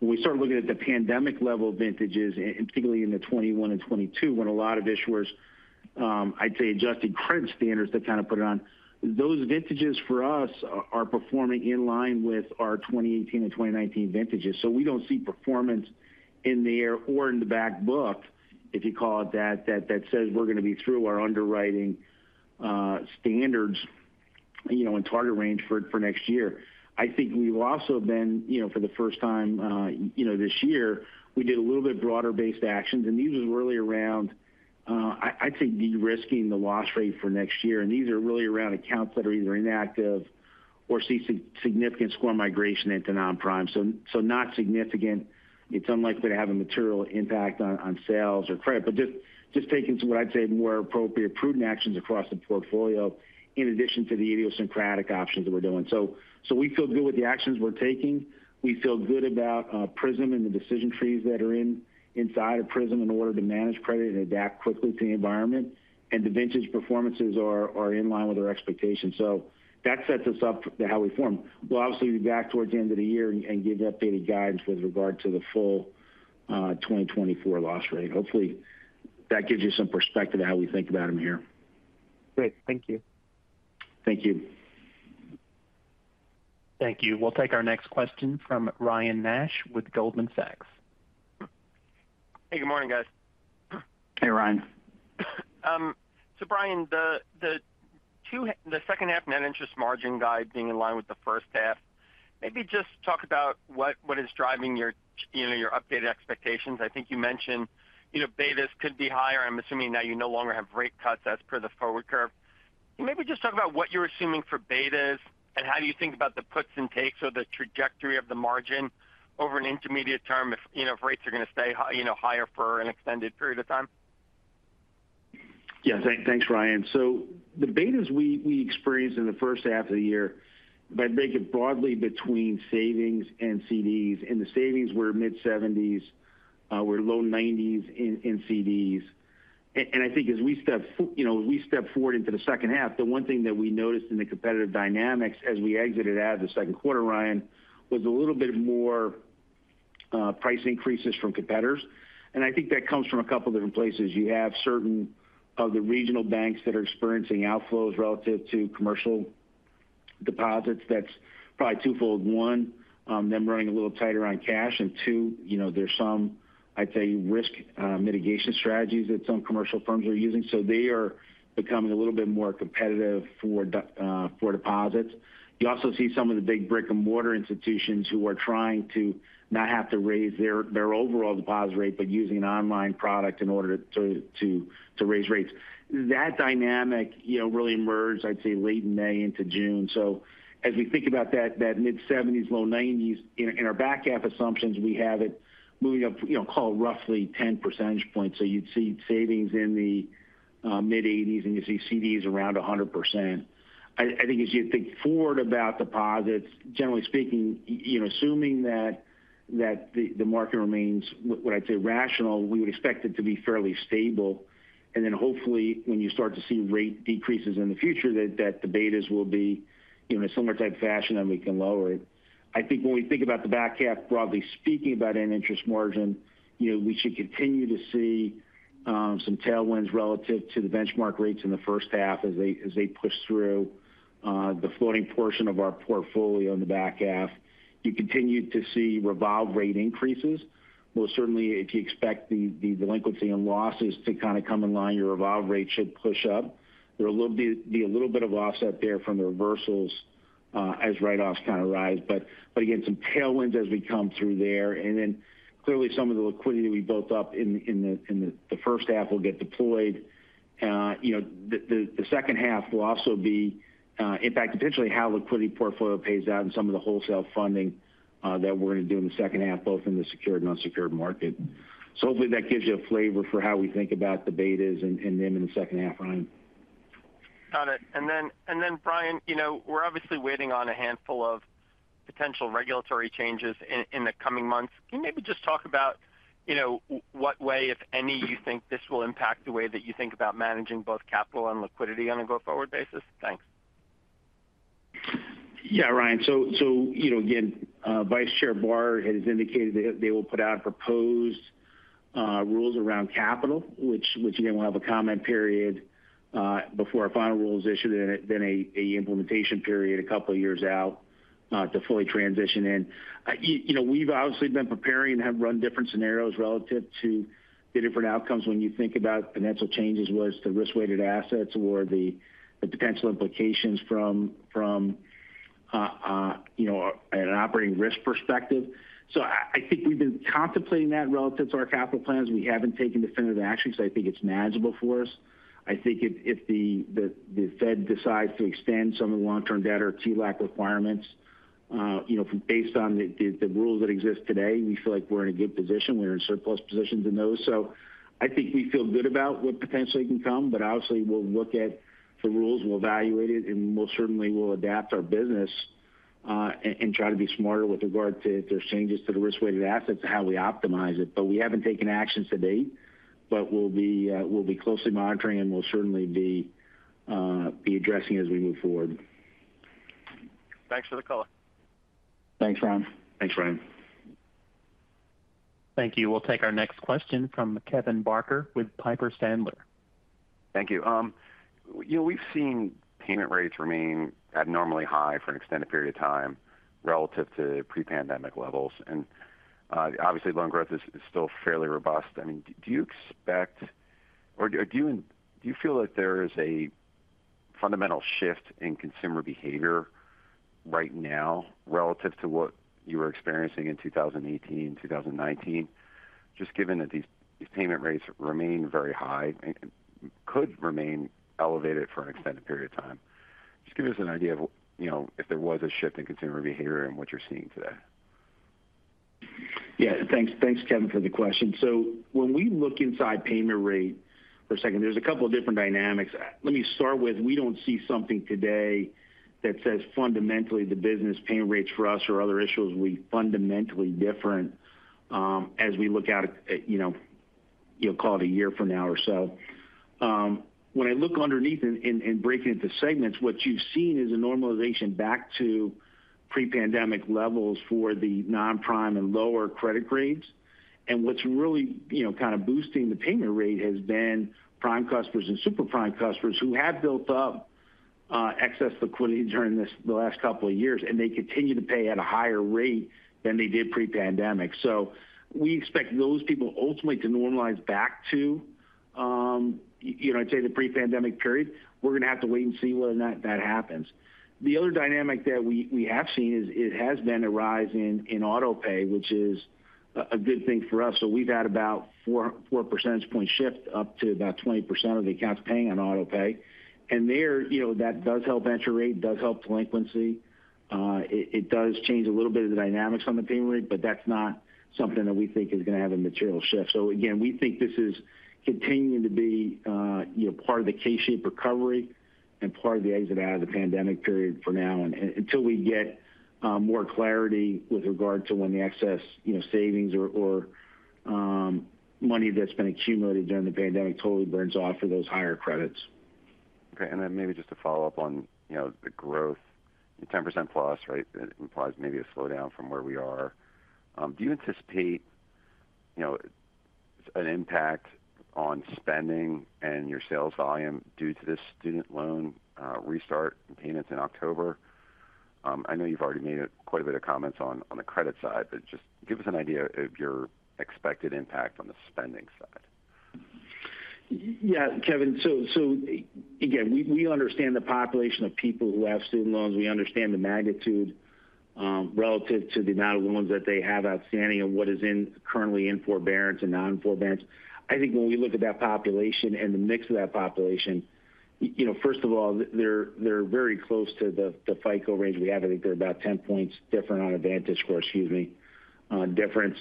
Speaker 3: When we start looking at the pandemic-level vintages, and particularly in 2021 and 2022, when a lot of issuers, I'd say, adjusted credit standards to kind of put it on. Those vintages for us are performing in line with our 2018 and 2019 vintages. We don't see performance in there or in the back book, if you call it that says we're going to be through our underwriting standards, you know, and target range for next year. I think we've also been, you know, for the first time, you know, this year, we did a little bit broader-based actions, and these was really around, I'd say, de-risking the loss rate for next year. These are really around accounts that are either inactive or see significant score migration into non-prime, so not significant. It's unlikely to have a material impact on sales or credit, just taking some what I'd say, more appropriate, prudent actions across the portfolio, in addition to the idiosyncratic options that we're doing. We feel good with the actions we're taking. We feel good about Prism and the decision trees that are inside of Prism in order to manage credit and adapt quickly to the environment. The vintage performances are in line with our expectations. That sets us up to how we form. We'll obviously be back towards the end of the year and give you updated guidance with regard to the full 2024 loss rate. Hopefully, that gives you some perspective on how we think about them here.
Speaker 7: Great. Thank you.
Speaker 3: Thank you.
Speaker 1: Thank you. We'll take our next question from Ryan Nash with Goldman Sachs.
Speaker 8: Hey, good morning, guys.
Speaker 3: Hey, Ryan.
Speaker 8: Brian, the second half net interest margin guide being in line with the first half. Maybe just talk about what is driving your, you know, your updated expectations. I think you mentioned, you know, betas could be higher. I'm assuming that you no longer have rate cuts as per the forward curve. Maybe just talk about what you're assuming for betas, and how do you think about the puts and takes or the trajectory of the net interest margin over an intermediate term, if, you know, if rates are going to stay high, you know, higher for an extended period of time?
Speaker 3: Yeah. Thanks, Ryan. So the betas we experienced in the first half of the year, if I make it broadly between savings and CDs, and the savings were mid-70s, were low 90s in CDs. I think as we step forward into the second half, the one thing that we noticed in the competitive dynamics as we exited out of the second quarter, Ryan, was a little bit more, price increases from competitors. I think that comes from a couple different places. You have certain of the regional banks that are experiencing outflows relative to commercial deposits. That's probably twofold. One, them running a little tighter on cash, and two, you know, there's some, I'd say, risk, mitigation strategies that some commercial firms are using. They are becoming a little bit more competitive for deposits. You also see some of the big brick-and-mortar institutions who are trying to not have to raise their overall deposit rate, but using an online product in order to raise rates. That dynamic, you know, really emerged, I'd say, late May into June. As we think about that mid-70s, low 90s, in our back half assumptions, we have it moving up, you know, call it roughly 10 percentage points. You'd see savings in the mid-80s, and you see CDs around 100%. I think as you think forward about deposits, generally speaking, you know, assuming that the market remains what I'd say, rational. We would expect it to be fairly stable, then hopefully, when you start to see rate decreases in the future, that the betas will be, you know, in a similar type fashion, and we can lower it. I think when we think about the back half, broadly speaking, about net interest margin, you know, we should continue to see some tailwinds relative to the benchmark rates in the first half as they push through the floating portion of our portfolio in the back half. You continue to see revolve rate increases. If you expect the delinquency and losses to kind of come in line, your revolve rate should push up. There will be a little bit of offset there from the reversals as write-offs kind of rise. Again, some tailwinds as we come through there. Clearly, some of the liquidity we built up in the first half will get deployed. you know, the second half will also be impact potentially how liquidity portfolio pays out and some of the wholesale funding that we're going to do in the second half, both in the secured and unsecured market. Hopefully, that gives you a flavor for how we think about the betas and then in the second half, Ryan.
Speaker 8: Got it. Then, Brian, you know, we're obviously waiting on a handful of potential regulatory changes in the coming months. Can you maybe just talk about, you know, what way, if any, you think this will impact the way that you think about managing both capital and liquidity on a go-forward basis? Thanks.
Speaker 3: Ryan. You know, again, Vice Chair Barr has indicated that they will put out proposed rules around capital, which again, will have a comment period before our final rule is issued, and then an implementation period a couple of years out to fully transition in. You know, we've obviously been preparing and have run different scenarios relative to the different outcomes when you think about financial changes, whereas the risk-weighted assets or the potential implications from, you know, at an operating risk perspective. I think we've been contemplating that relative to our capital plans. We haven't taken definitive action because I think it's manageable for us. I think if the Fed decides to extend some of the long-term debt or TLAC requirements, you know, from based on the rules that exist today, we feel like we're in a good position. We're in surplus positions in those. I think we feel good about what potentially can come, but obviously, we'll look at the rules, we'll evaluate it, and most certainly we'll adapt our business, and try to be smarter with regard to if there's changes to the risk-weighted assets and how we optimize it. We haven't taken action to date, but we'll be closely monitoring, and we'll certainly be addressing as we move forward.
Speaker 8: Thanks for the color.
Speaker 3: Thanks, Ryan.
Speaker 4: Thanks, Ryan.
Speaker 1: Thank you. We'll take our next question from Kevin Barker with Piper Sandler.
Speaker 9: Thank you. You know, we've seen payment rates remain abnormally high for an extended period of time relative to pre-pandemic levels. Obviously, loan growth is still fairly robust. I mean, do you expect or do you feel that there is a fundamental shift in consumer behavior right now relative to what you were experiencing in 2018, 2019? Just given that these payment rates remain very high and could remain elevated for an extended period of time, just give us an idea of, you know, if there was a shift in consumer behavior and what you're seeing today.
Speaker 3: Thanks, Kevin, for the question. When we look inside payment rate for a second, there's a couple of different dynamics. Let me start with, we don't see something today that says fundamentally, the business payment rates for us or other issues will be fundamentally different, as we look out at, you know, you'll call it a year from now or so. When I look underneath and breaking into segments, what you've seen is a normalization back to pre-pandemic levels for the non-prime and lower credit grades. What's really, you know, kind of boosting the payment rate has been prime customers and super prime customers who have built up excess liquidity during the last couple of years, and they continue to pay at a higher rate than they did pre-pandemic. We expect those people ultimately to normalize back to, you know, I'd say the pre-pandemic period. We're going to have to wait and see whether or not that happens. The other dynamic that we have seen is it has been a rise in autopay, which is a good thing for us. We've had about 4 percentage point shift, up to about 20% of the accounts paying on autopay. There, you know, that does help venture rate, it does help delinquency. It does change a little bit of the dynamics on the payment rate, but that's not something that we think is going to have a material shift. Again, we think this is continuing to be, you know, part of the K-shaped recovery and part of the exit out of the pandemic period for now, and until we get more clarity with regard to when the excess, you know, savings or money that's been accumulated during the pandemic totally burns off for those higher credits.
Speaker 9: Okay, maybe just to follow up on, you know, the growth, the 10%+, right? It implies maybe a slowdown from where we are. Do you anticipate, you know, an impact on spending and your sales volume due to this student loan restart and payments in October? I know you've already made quite a bit of comments on the credit side, just give us an idea of your expected impact on the spending side.
Speaker 3: Yeah, Kevin. Again, we understand the population of people who have student loans. We understand the magnitude, relative to the amount of loans that they have outstanding and what is currently in forbearance and not in forbearance. I think when we look at that population and the mix of that population, you know, first of all, they're very close to the FICO range we have. I think they're about 10 points different on a VantageScore, excuse me, difference.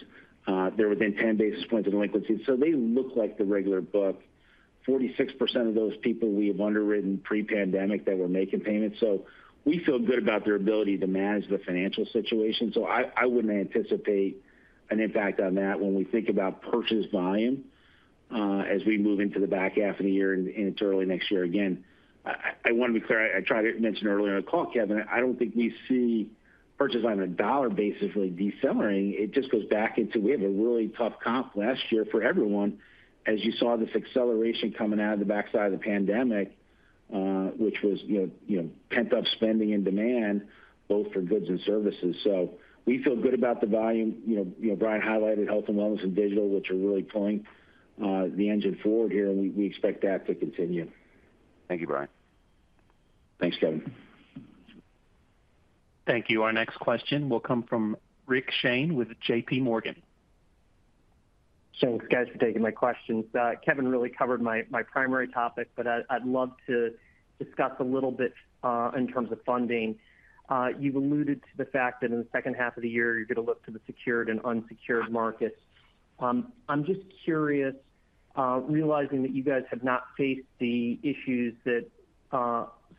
Speaker 3: They're within 10 basis points of delinquency, so they look like the regular book. 46% of those people we have underwritten pre-pandemic, they were making payments, so we feel good about their ability to manage the financial situation. I wouldn't anticipate an impact on that when we think about purchase volume. As we move into the back half of the year and into early next year. Again, I want to be clear, I tried to mention earlier in the call, Kevin, I don't think we see purchases on a dollar basis really decelerating. It just goes back into we had a really tough comp last year for everyone, as you saw this acceleration coming out of the backside of the pandemic, which was, you know, pent-up spending and demand, both for goods and services. We feel good about the volume. You know, Brian highlighted health and wellness and digital, which are really pulling the engine forward here, and we expect that to continue.
Speaker 9: Thank you, Brian.
Speaker 4: Thanks, Kevin.
Speaker 1: Thank you. Our next question will come from Rick Shane with J.P. Morgan.
Speaker 10: Thanks, guys, for taking my questions. Kevin really covered my primary topic, but I'd love to discuss a little bit, in terms of funding. You've alluded to the fact that in the second half of the year, you're going to look to the secured and unsecured markets. I'm just curious, realizing that you guys have not faced the issues that,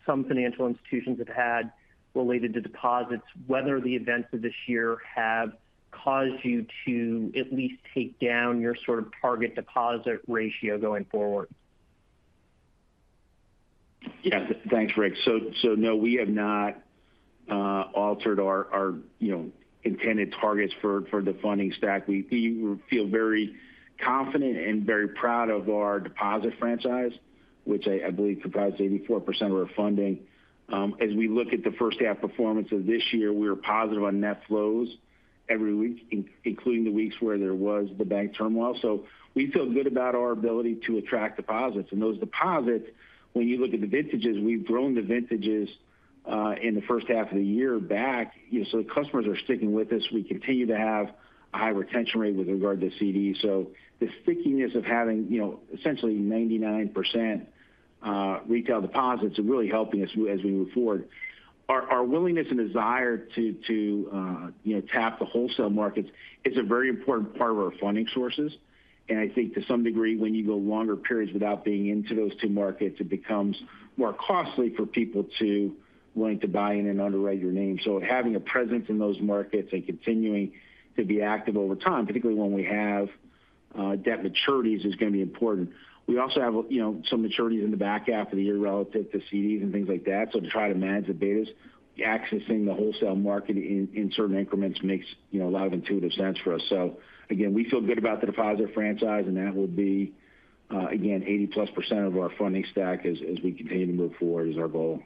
Speaker 10: some financial institutions have had related to deposits, whether the events of this year have caused you to at least take down your sort of target deposit ratio going forward?
Speaker 3: Yeah. Thanks, Rick. No, we have not altered our, you know, intended targets for the funding stack. We feel very confident and very proud of our deposit franchise, which I believe, comprises 84% of our funding. As we look at the first half performance of this year, we are positive on net flows every week, including the weeks where there was the bank turmoil. We feel good about our ability to attract deposits. Those deposits, when you look at the vintages, we've grown the vintages in the first half of the year back. You know, the customers are sticking with us. We continue to have a high retention rate with regard to CDs. The stickiness of having, you know, essentially 99% retail deposits are really helping us as we move forward. Our willingness and desire to, you know, tap the wholesale markets is a very important part of our funding sources. I think to some degree, when you go longer periods without being into those two markets, it becomes more costly for people willing to buy in and underwrite your name. Having a presence in those markets and continuing to be active over time, particularly when we have debt maturities, is going to be important. We also have, you know, some maturities in the back half of the year relative to CDs and things like that. To try to manage the betas, accessing the wholesale market in certain increments makes, you know, a lot of intuitive sense for us. Again, we feel good about the deposit franchise, and that will be, again, 80%+ of our funding stack as we continue to move forward, is our goal.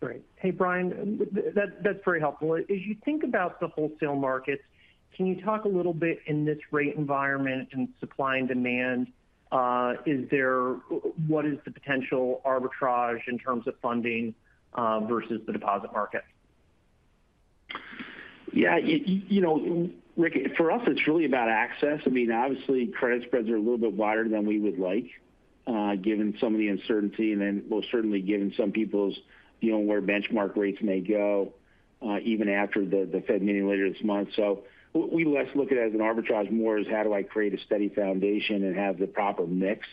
Speaker 10: Great. Hey, Brian, that's very helpful. As you think about the wholesale markets, can you talk a little bit in this rate environment and supply and demand, what is the potential arbitrage in terms of funding versus the deposit market?
Speaker 3: You know, Rick, for us, it's really about access. I mean, obviously, credit spreads are a little bit wider than we would like, given some of the uncertainty, and then most certainly given some people's, you know, where benchmark rates may go, even after the Fed meeting later this month. We less look at it as an arbitrage, more as how do I create a steady foundation and have the proper mix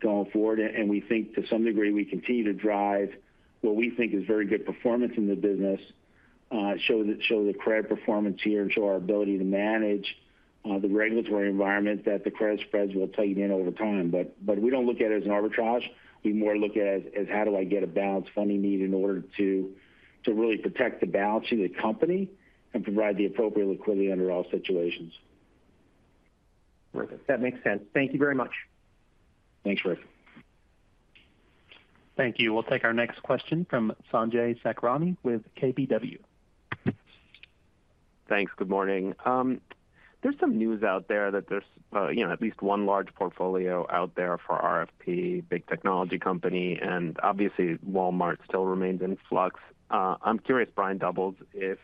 Speaker 3: going forward? We think to some degree, we continue to drive what we think is very good performance in the business, show the credit performance here, and show our ability to manage the regulatory environment that the credit spreads will tighten in over time. We don't look at it as an arbitrage. We more look at it as how do I get a balanced funding need in order to really protect the balance of the company and provide the appropriate liquidity under all situations.
Speaker 10: Perfect. That makes sense. Thank you very much.
Speaker 3: Thanks, Rick.
Speaker 1: Thank you. We'll take our next question from Sanjay Sakhrani with KBW.
Speaker 11: Thanks. Good morning. There's some news out there that there's, you know, at least one large portfolio out there for RFP, big technology company. Obviously, Walmart still remains in flux. I'm curious, Brian Doubles, if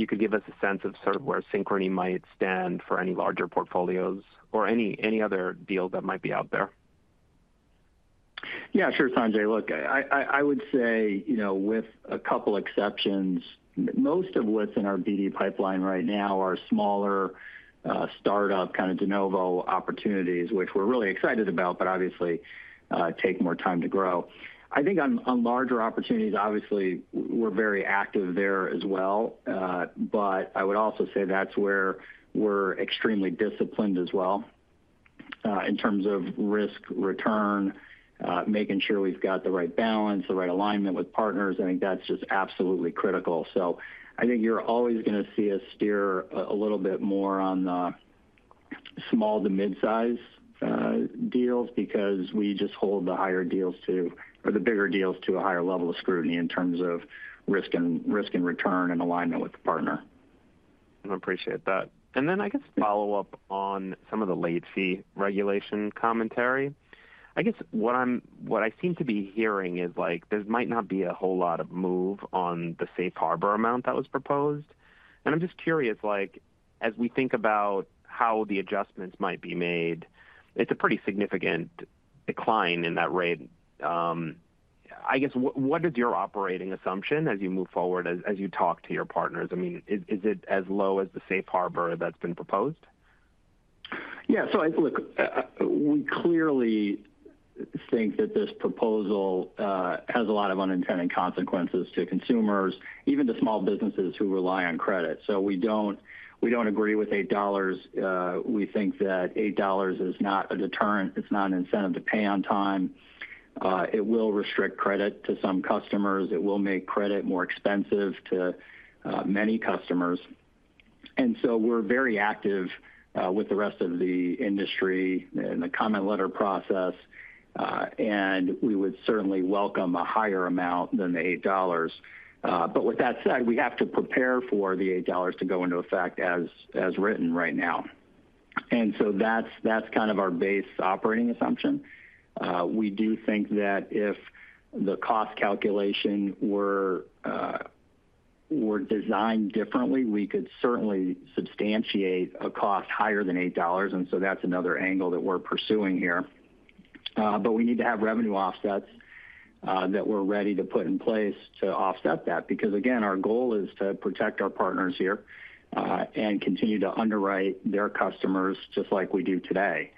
Speaker 11: you could give us a sense of sort of where Synchrony might stand for any larger portfolios or any other deal that might be out there?
Speaker 3: Yeah, sure, Sanjay. Look, I would say, you know, with a couple exceptions, most of what's in our BD pipeline right now are smaller, start-up, kind of de novo opportunities, which we're really excited about, but obviously, take more time to grow. I think on larger opportunities, obviously we're very active there as well, but I would also say that's where we're extremely disciplined as well, in terms of risk, return, making sure we've got the right balance, the right alignment with partners. I think that's just absolutely critical. I think you're always going to see us steer a little bit more on the small to midsize deals because we just hold the higher deals to, or the bigger deals to a higher level of scrutiny in terms of risk and return and alignment with the partner.
Speaker 11: I appreciate that. I guess follow up on some of the late fee regulation commentary. I guess what I seem to be hearing is, like, there might not be a whole lot of move on the safe harbor amount that was proposed. I'm just curious, like, as we think about how the adjustments might be made, it's a pretty significant decline in that rate. I guess, what is your operating assumption as you move forward, as you talk to your partners? I mean, is it as low as the safe harbor that's been proposed?
Speaker 3: Look, we clearly think that this proposal has a lot of unintended consequences to consumers, even to small businesses who rely on credit. We don't agree with $8. We think that $8 is not a deterrent. It's not an incentive to pay on time. It will restrict credit to some customers. It will make credit more expensive to many customers. We're very active with the rest of the industry in the comment letter process, and we would certainly welcome a higher amount than the $8. With that said, we have to prepare for the $8 to go into effect as written right now. That's kind of our base operating assumption. We do think that if the cost calculation were designed differently, we could certainly substantiate a cost higher than $8. That's another angle that we're pursuing here. We need to have revenue offsets that we're ready to put in place to offset that, because, again, our goal is to protect our partners here and continue to underwrite their customers just like we do today.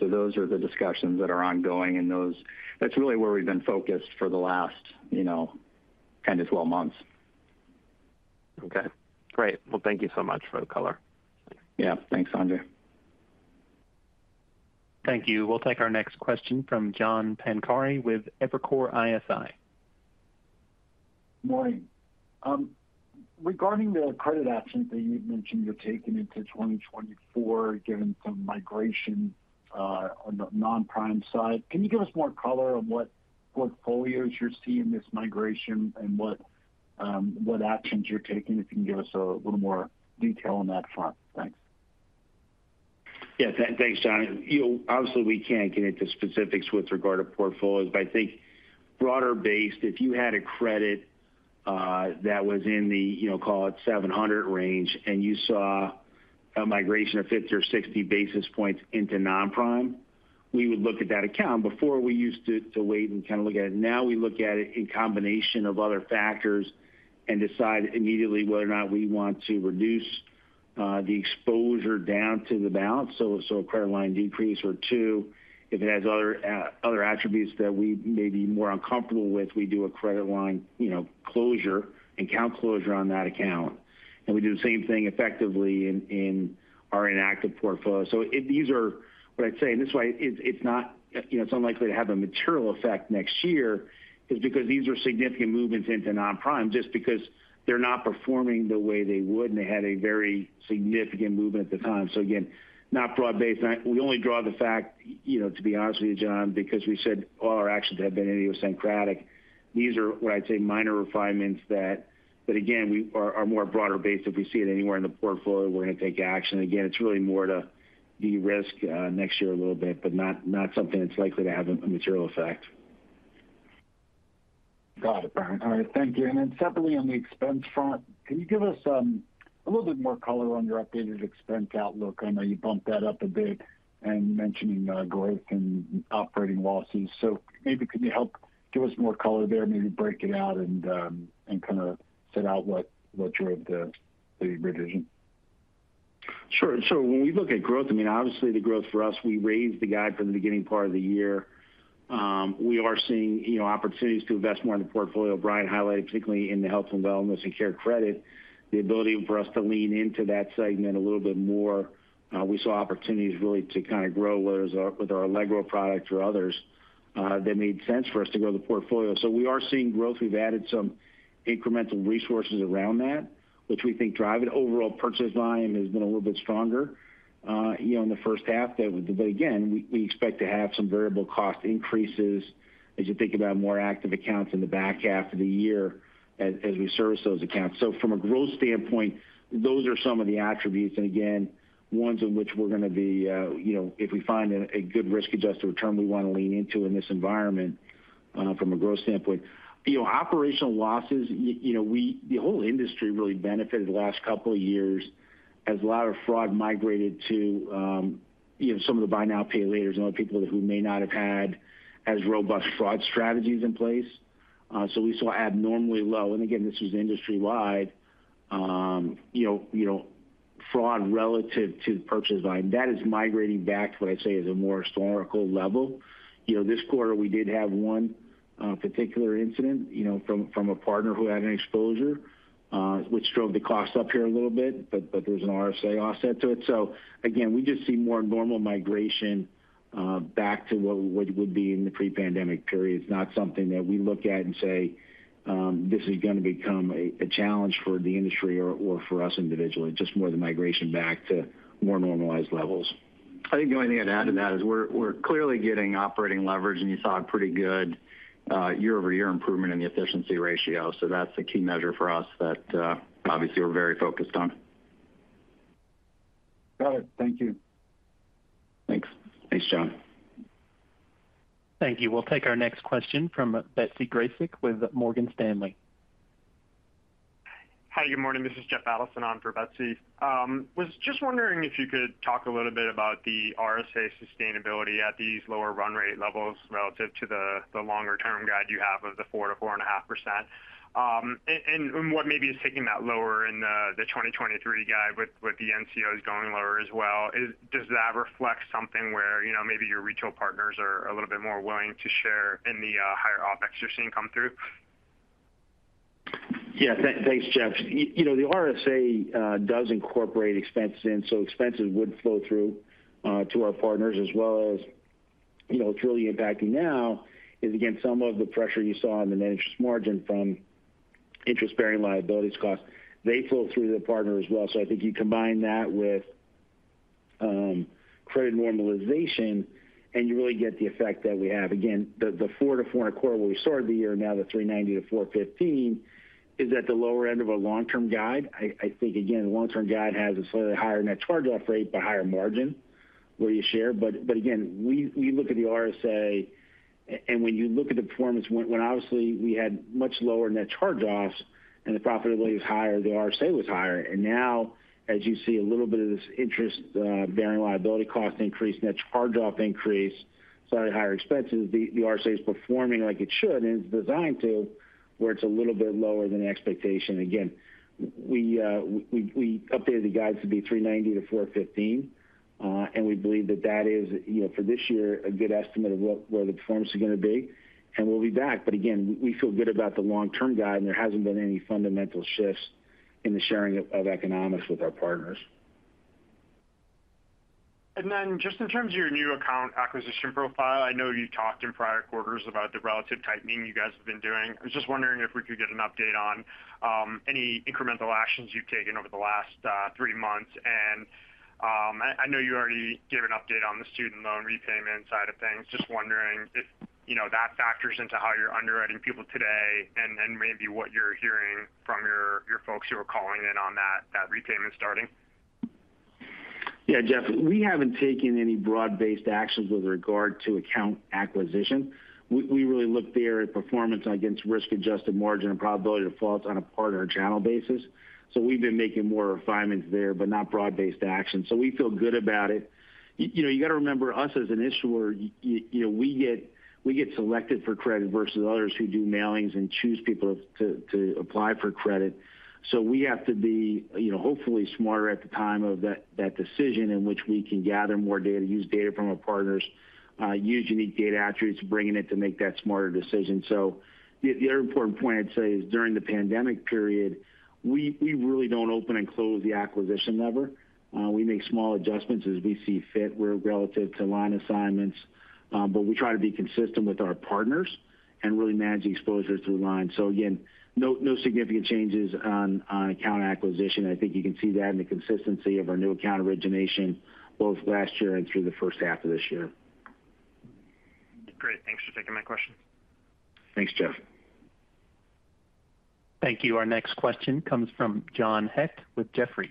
Speaker 3: Those are the discussions that are ongoing, and that's really where we've been focused for the last, you know, 10 to 12 months.
Speaker 11: Okay, great. Well, thank you so much for the color.
Speaker 3: Yeah. Thanks, Sanjay.
Speaker 1: Thank you. We'll take our next question from John Pancari with Evercore ISI.
Speaker 12: Morning. Regarding the credit actions that you've mentioned you're taking into 2024, given some migration on the non-prime side, can you give us more color on what portfolios you're seeing this migration and what actions you're taking? If you can give us a little more detail on that front. Thanks.
Speaker 3: Yes, thanks, John. You know, obviously, we can't get into specifics with regard to portfolios, but I think broader-based, if you had a credit, that was in the, you know, call it 700 range, and you saw a migration of 50 or 60 basis points into non-prime, we would look at that account. Before, we used to wait and kind of look at it. Now we look at it in combination of other factors and decide immediately whether or not we want to reduce the exposure down to the balance, so a credit line decrease, or two, if it has other attributes that we may be more uncomfortable with, we do a credit line, you know, closure, account closure on that account. We do the same thing effectively in our inactive portfolio. If these are what I'd say, and this is why it's not, you know, it's unlikely to have a material effect next year, is because these are significant movements into non-prime, just because they're not performing the way they would, and they had a very significant movement at the time. Again, not broad-based. We only draw the fact, you know, to be honest with you, John, because we said all our actions have been idiosyncratic. These are what I'd say, minor refinements that again, we are more broader-based. If we see it anywhere in the portfolio, we're going to take action. Again, it's really more to de-risk next year a little bit, but not something that's likely to have a material effect.
Speaker 12: Got it. All right thank you. Separately, on the expense front, can you give us a little bit more color on your updated expense outlook? I know you bumped that up a bit and mentioning growth and operating losses. Maybe could you help give us more color there, maybe break it out and kind of set out what drove the revision?
Speaker 3: Sure. When we look at growth, I mean, obviously the growth for us, we raised the guide from the beginning part of the year. We are seeing, you know, opportunities to invest more in the portfolio Brian highlighted, particularly in the health and wellness and CareCredit, the ability for us to lean into that segment a little bit more. We saw opportunities really to kind of grow, whether it was with our Allegro product or others, that made sense for us to grow the portfolio. We are seeing growth. We've added some incremental resources around that, which we think drive it. Overall purchase volume has been a little bit stronger, you know, in the first half. Again, we expect to have some variable cost increases as you think about more active accounts in the back half of the year as we service those accounts. From a growth standpoint, those are some of the attributes, and again, ones in which we're going to be, you know, if we find a good risk-adjusted return, we want to lean into in this environment, from a growth standpoint. You know, operational losses, you know, the whole industry really benefited the last couple of years as a lot of fraud migrated to, you know, some of the Buy Now, Pay Laters and other people who may not have had as robust fraud strategies in place. So we saw abnormally low and again, this was industry-wide, you know, fraud relative to the purchase volume. That is migrating back to what I'd say is a more historical level. You know, this quarter, we did have one particular incident, you know, from a partner who had an exposure, which drove the cost up here a little bit, but there was an RSA offset to it. Again, we just see more normal migration back to what would be in the pre-pandemic period. It's not something that we look at and say, this is going to become a challenge for the industry or for us individually, just more the migration back to more normalized levels.
Speaker 4: I think the only thing I'd add to that is we're clearly getting operating leverage. You saw a pretty good year-over-year improvement in the efficiency ratio. That's a key measure for us that obviously we're very focused on.
Speaker 12: Got it. Thank you.
Speaker 3: Thanks.
Speaker 4: Thanks, John.
Speaker 1: Thank you. We'll take our next question from Betsy Graseck with Morgan Stanley.
Speaker 13: Hi, good morning. This is Jeff Adelson on for Betsy. Was just wondering if you could talk a little bit about the RSA sustainability at these lower run rate levels relative to the longer-term guide you have of the 4%-4.5%. What maybe is taking that lower in the 2023 guide with the NCOs going lower as well? Does that reflect something where, you know, maybe your retail partners are a little bit more willing to share in the higher OpEx you're seeing come through?
Speaker 3: Yeah, thanks, Jeff. You know, the RSA does incorporate expenses in, expenses would flow through to our partners as well as, you know, what's really impacting now is, again, some of the pressure you saw on the net interest margin from interest-bearing liabilities costs. They flow through the partner as well. I think you combine that with credit normalization, and you really get the effect that we have. Again, the 4%-4.25% where we started the year, now the 3.90%-4.15% is at the lower end of a long-term guide. I think, again, the long-term guide has a slightly higher net charge-off rate, but higher margin where you share. Again, we look at the RSA, and when you look at the performance, when obviously we had much lower Net Charge-Offs and the profitability was higher, the RSA was higher. Now, as you see a little bit of this interest bearing liability cost increase, Net Charge-Off increase, slightly higher expenses, the RSA is performing like it should, and it's designed to, where it's a little bit lower than expectation. We updated the guides to be 390 to 415, and we believe that that is, you know, for this year, a good estimate of where the performance is going to be, and we'll be back. Again, we feel good about the long-term guide, and there hasn't been any fundamental shifts in the sharing of economics with our partners.
Speaker 13: Then just in terms of your new account acquisition profile, I know you talked in prior quarters about the relative tightening you guys have been doing. I was just wondering if we could get an update on any incremental actions you've taken over the last three months. I know you already gave an update on the student loan repayment side of things. Just wondering if, you know, that factors into how you're underwriting people today, and maybe what you're hearing from your folks who are calling in on that repayment starting?
Speaker 3: Jeff, we haven't taken any broad-based actions with regard to account acquisition. We really look there at performance against risk-adjusted margin and probability of defaults on a partner and channel basis. We've been making more refinements there, but not broad-based actions. We feel good about it. You know, you got to remember us as an issuer, you know, we get selected for credit versus others who do mailings and choose people to apply for credit. We have to be, you know, hopefully smarter at the time of that decision in which we can gather more data, use data from our partners, use unique data attributes, bringing it to make that smarter decision. The other important point I'd say is during the pandemic period, we really don't open and close the acquisition lever. We make small adjustments as we see fit, we're relative to line assignments, but we try to be consistent with our partners and really manage the exposure through the line. Again, no significant changes on account acquisition. I think you can see that in the consistency of our new account origination, both last year and through the first half of this year.
Speaker 13: Great. Thanks for taking my question.
Speaker 4: Thanks, Jeff.
Speaker 1: Thank you. Our next question comes from John Hecht with Jefferies.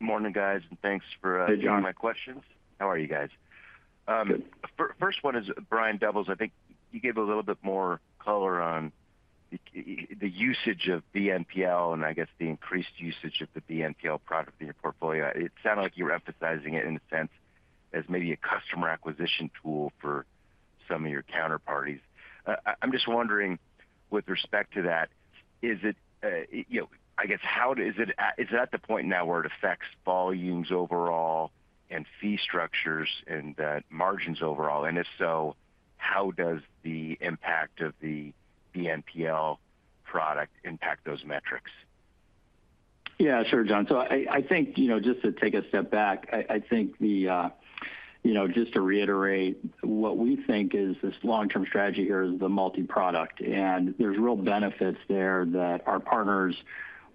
Speaker 14: Morning, guys, and thanks.
Speaker 3: Hey, John.
Speaker 14: taking my questions. How are you guys?
Speaker 3: Good.
Speaker 14: First one is Brian Doubles. I think you gave a little bit more color on the usage of BNPL and I guess the increased usage of the BNPL product in your portfolio. It sounded like you were emphasizing it in a sense as maybe a customer acquisition tool for some of your counterparties. I'm just wondering, with respect to that, is it, you know, is it at the point now where it affects volumes overall and fee structures and margins overall? If so, how does the impact of the BNPL product impact those metrics?
Speaker 3: Yeah, sure, John. I think, you know, just to take a step back, I think, you know, just to reiterate, what we think is this long-term strategy here is the multiproduct. There's real benefits there that our partners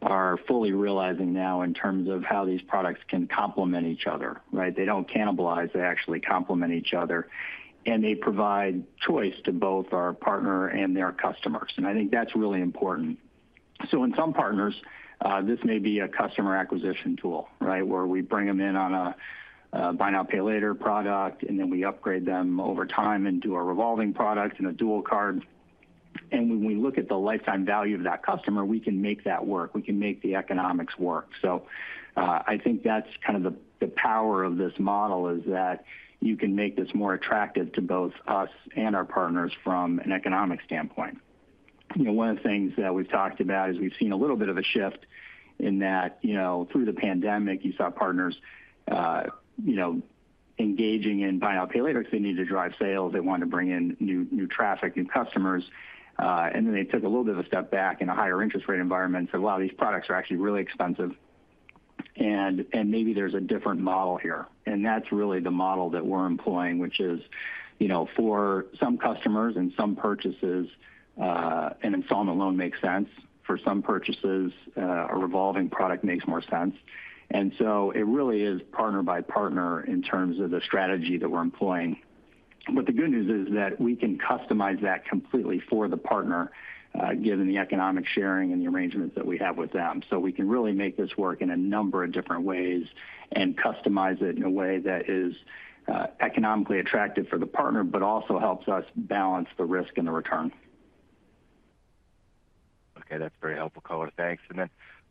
Speaker 3: are fully realizing now in terms of how these products can complement each other, right? They don't cannibalize, they actually complement each other, and they provide choice to both our partner and their customers, and I think that's really important. In some partners, this may be a customer acquisition tool, right? Where we bring them in on a Buy Now, Pay Later product, and then we upgrade them over time into a revolving product and a dual card. When we look at the lifetime value of that customer, we can make that work. We can make the economics work. I think that's kind of the power of this model, is that you can make this more attractive to both us and our partners from an economic standpoint. You know, one of the things that we've talked about is we've seen a little bit of a shift in that, you know, through the pandemic, you saw partners, you know, engaging in Buy Now, Pay Later. They need to drive sales. They want to bring in new traffic, new customers. They took a little bit of a step back in a higher interest rate environment. A lot of these products are actually really expensive, and maybe there's a different model here. That's really the model that we're employing, which is, you know, for some customers and some purchases, an installment loan makes sense. For some purchases, a revolving product makes more sense. It really is partner by partner in terms of the strategy that we're employing. The good news is that we can customize that completely for the partner, given the economic sharing and the arrangements that we have with them. We can really make this work in a number of different ways and customize it in a way that is economically attractive for the partner, but also helps us balance the risk and the return.
Speaker 14: Okay, that's very helpful color. Thanks.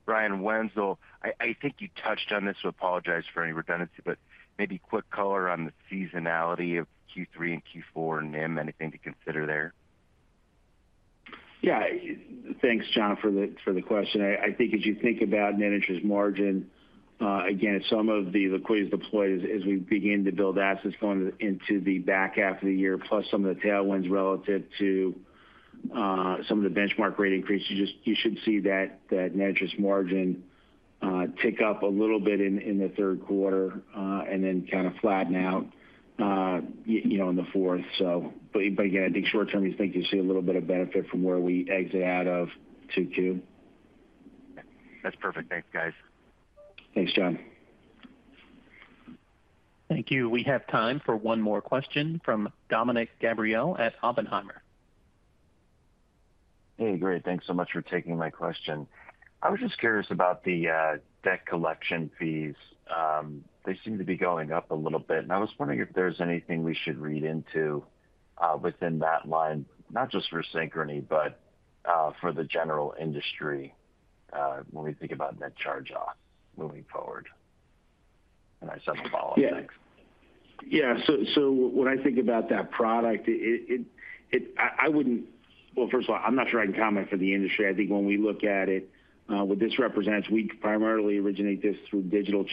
Speaker 14: Brian Wenzel, I think you touched on this, so I apologize for any redundancy, but maybe quick color on the seasonality of Q3 and Q4 NIM. Anything to consider there?...
Speaker 4: Yeah. Thanks, John, for the question. I think as you think about net interest margin, again, some of the liquidity is deployed as we begin to build assets going into the back half of the year, plus some of the tailwinds relative to some of the benchmark rate increases. You should see that net interest margin tick up a little bit in the third quarter, and then kind of flatten out, you know, in the fourth. But again, I think short term, you think you'll see a little bit of benefit from where we exit out of 2Q.
Speaker 14: That's perfect. Thanks, guys.
Speaker 4: Thanks, John.
Speaker 1: Thank you. We have time for one more question from Dominick Gabriele at Oppenheimer.
Speaker 15: Hey, great. Thanks so much for taking my question. I was just curious about the debt collection fees. They seem to be going up a little bit, and I was wondering if there's anything we should read into within that line, not just for Synchrony, but for the general industry, when we think about Net Charge-Offs moving forward? I just have a follow up, thanks.
Speaker 3: Yeah. When I think about that product, I wouldn't. Well, first of all, I'm not sure I can comment for the industry. I think when we look at it, what this represents, we primarily originate this through digital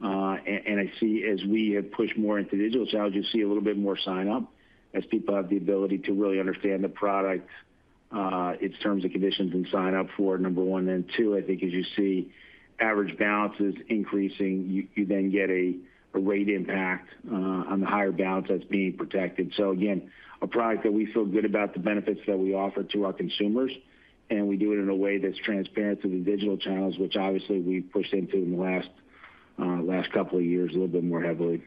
Speaker 3: channels. I see as we have pushed more into digital channels, you see a little bit more sign-up as people have the ability to really understand the product, its terms and conditions, and sign up for it, number 1. 2, I think as you see average balances increasing, you then get a rate impact on the higher balance that's being protected. Again, a product that we feel good about the benefits that we offer to our consumers, and we do it in a way that's transparent through the digital channels, which obviously we've pushed into in the last couple of years, a little bit more heavily.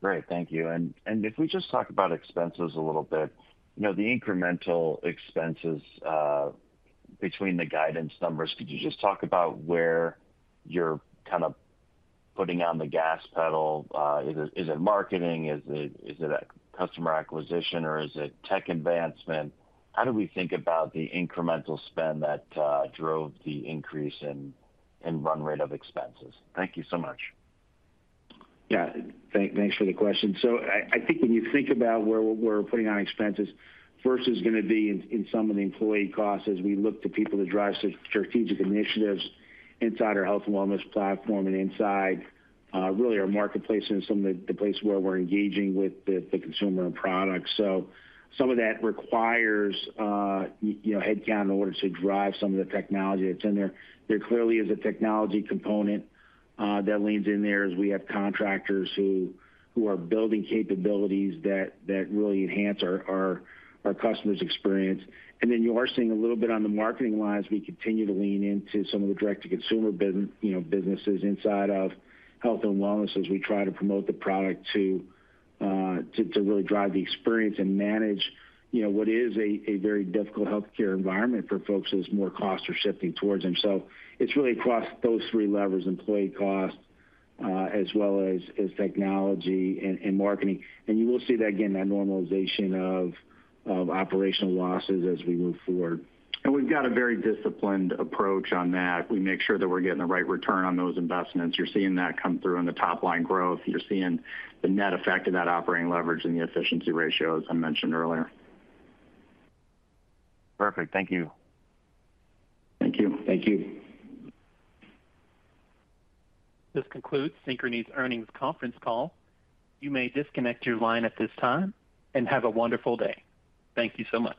Speaker 15: Great. Thank you. If we just talk about expenses a little bit, you know, the incremental expenses between the guidance numbers, could you just talk about where you're kind of putting on the gas pedal? Is it marketing? Is it a customer acquisition, or is it tech advancement? How do we think about the incremental spend that drove the increase in run rate of expenses? Thank you so much.
Speaker 4: Yeah. thanks for the question. I think when you think about where we're putting on expenses, first, it's going to be in some of the employee costs as we look to people to drive some strategic initiatives inside our health and wellness platform and inside, really our marketplace and some of the places where we're engaging with the consumer and products. Some of that requires, you know, headcount in order to drive some of the technology that's in there. There clearly is a technology component that leans in there as we have contractors who are building capabilities that really enhance our customer's experience. Then you are seeing a little bit on the marketing line as we continue to lean into some of the direct-to-consumer you know, businesses inside of health and wellness, as we try to promote the product to really drive the experience and manage, you know, what is a very difficult healthcare environment for folks as more costs are shifting towards them. It's really across those three levers: employee costs, as well as technology and marketing. You will see that again, that normalization of operational losses as we move forward. We've got a very disciplined approach on that. We make sure that we're getting the right return on those investments. You're seeing that come through in the top-line growth. You're seeing the net effect of that operating leverage and the efficiency ratio, as I mentioned earlier.
Speaker 15: Perfect. Thank you.
Speaker 4: Thank you.
Speaker 3: Thank you.
Speaker 1: This concludes Synchrony's Earnings Conference Call. You may disconnect your line at this time, and have a wonderful day. Thank you so much.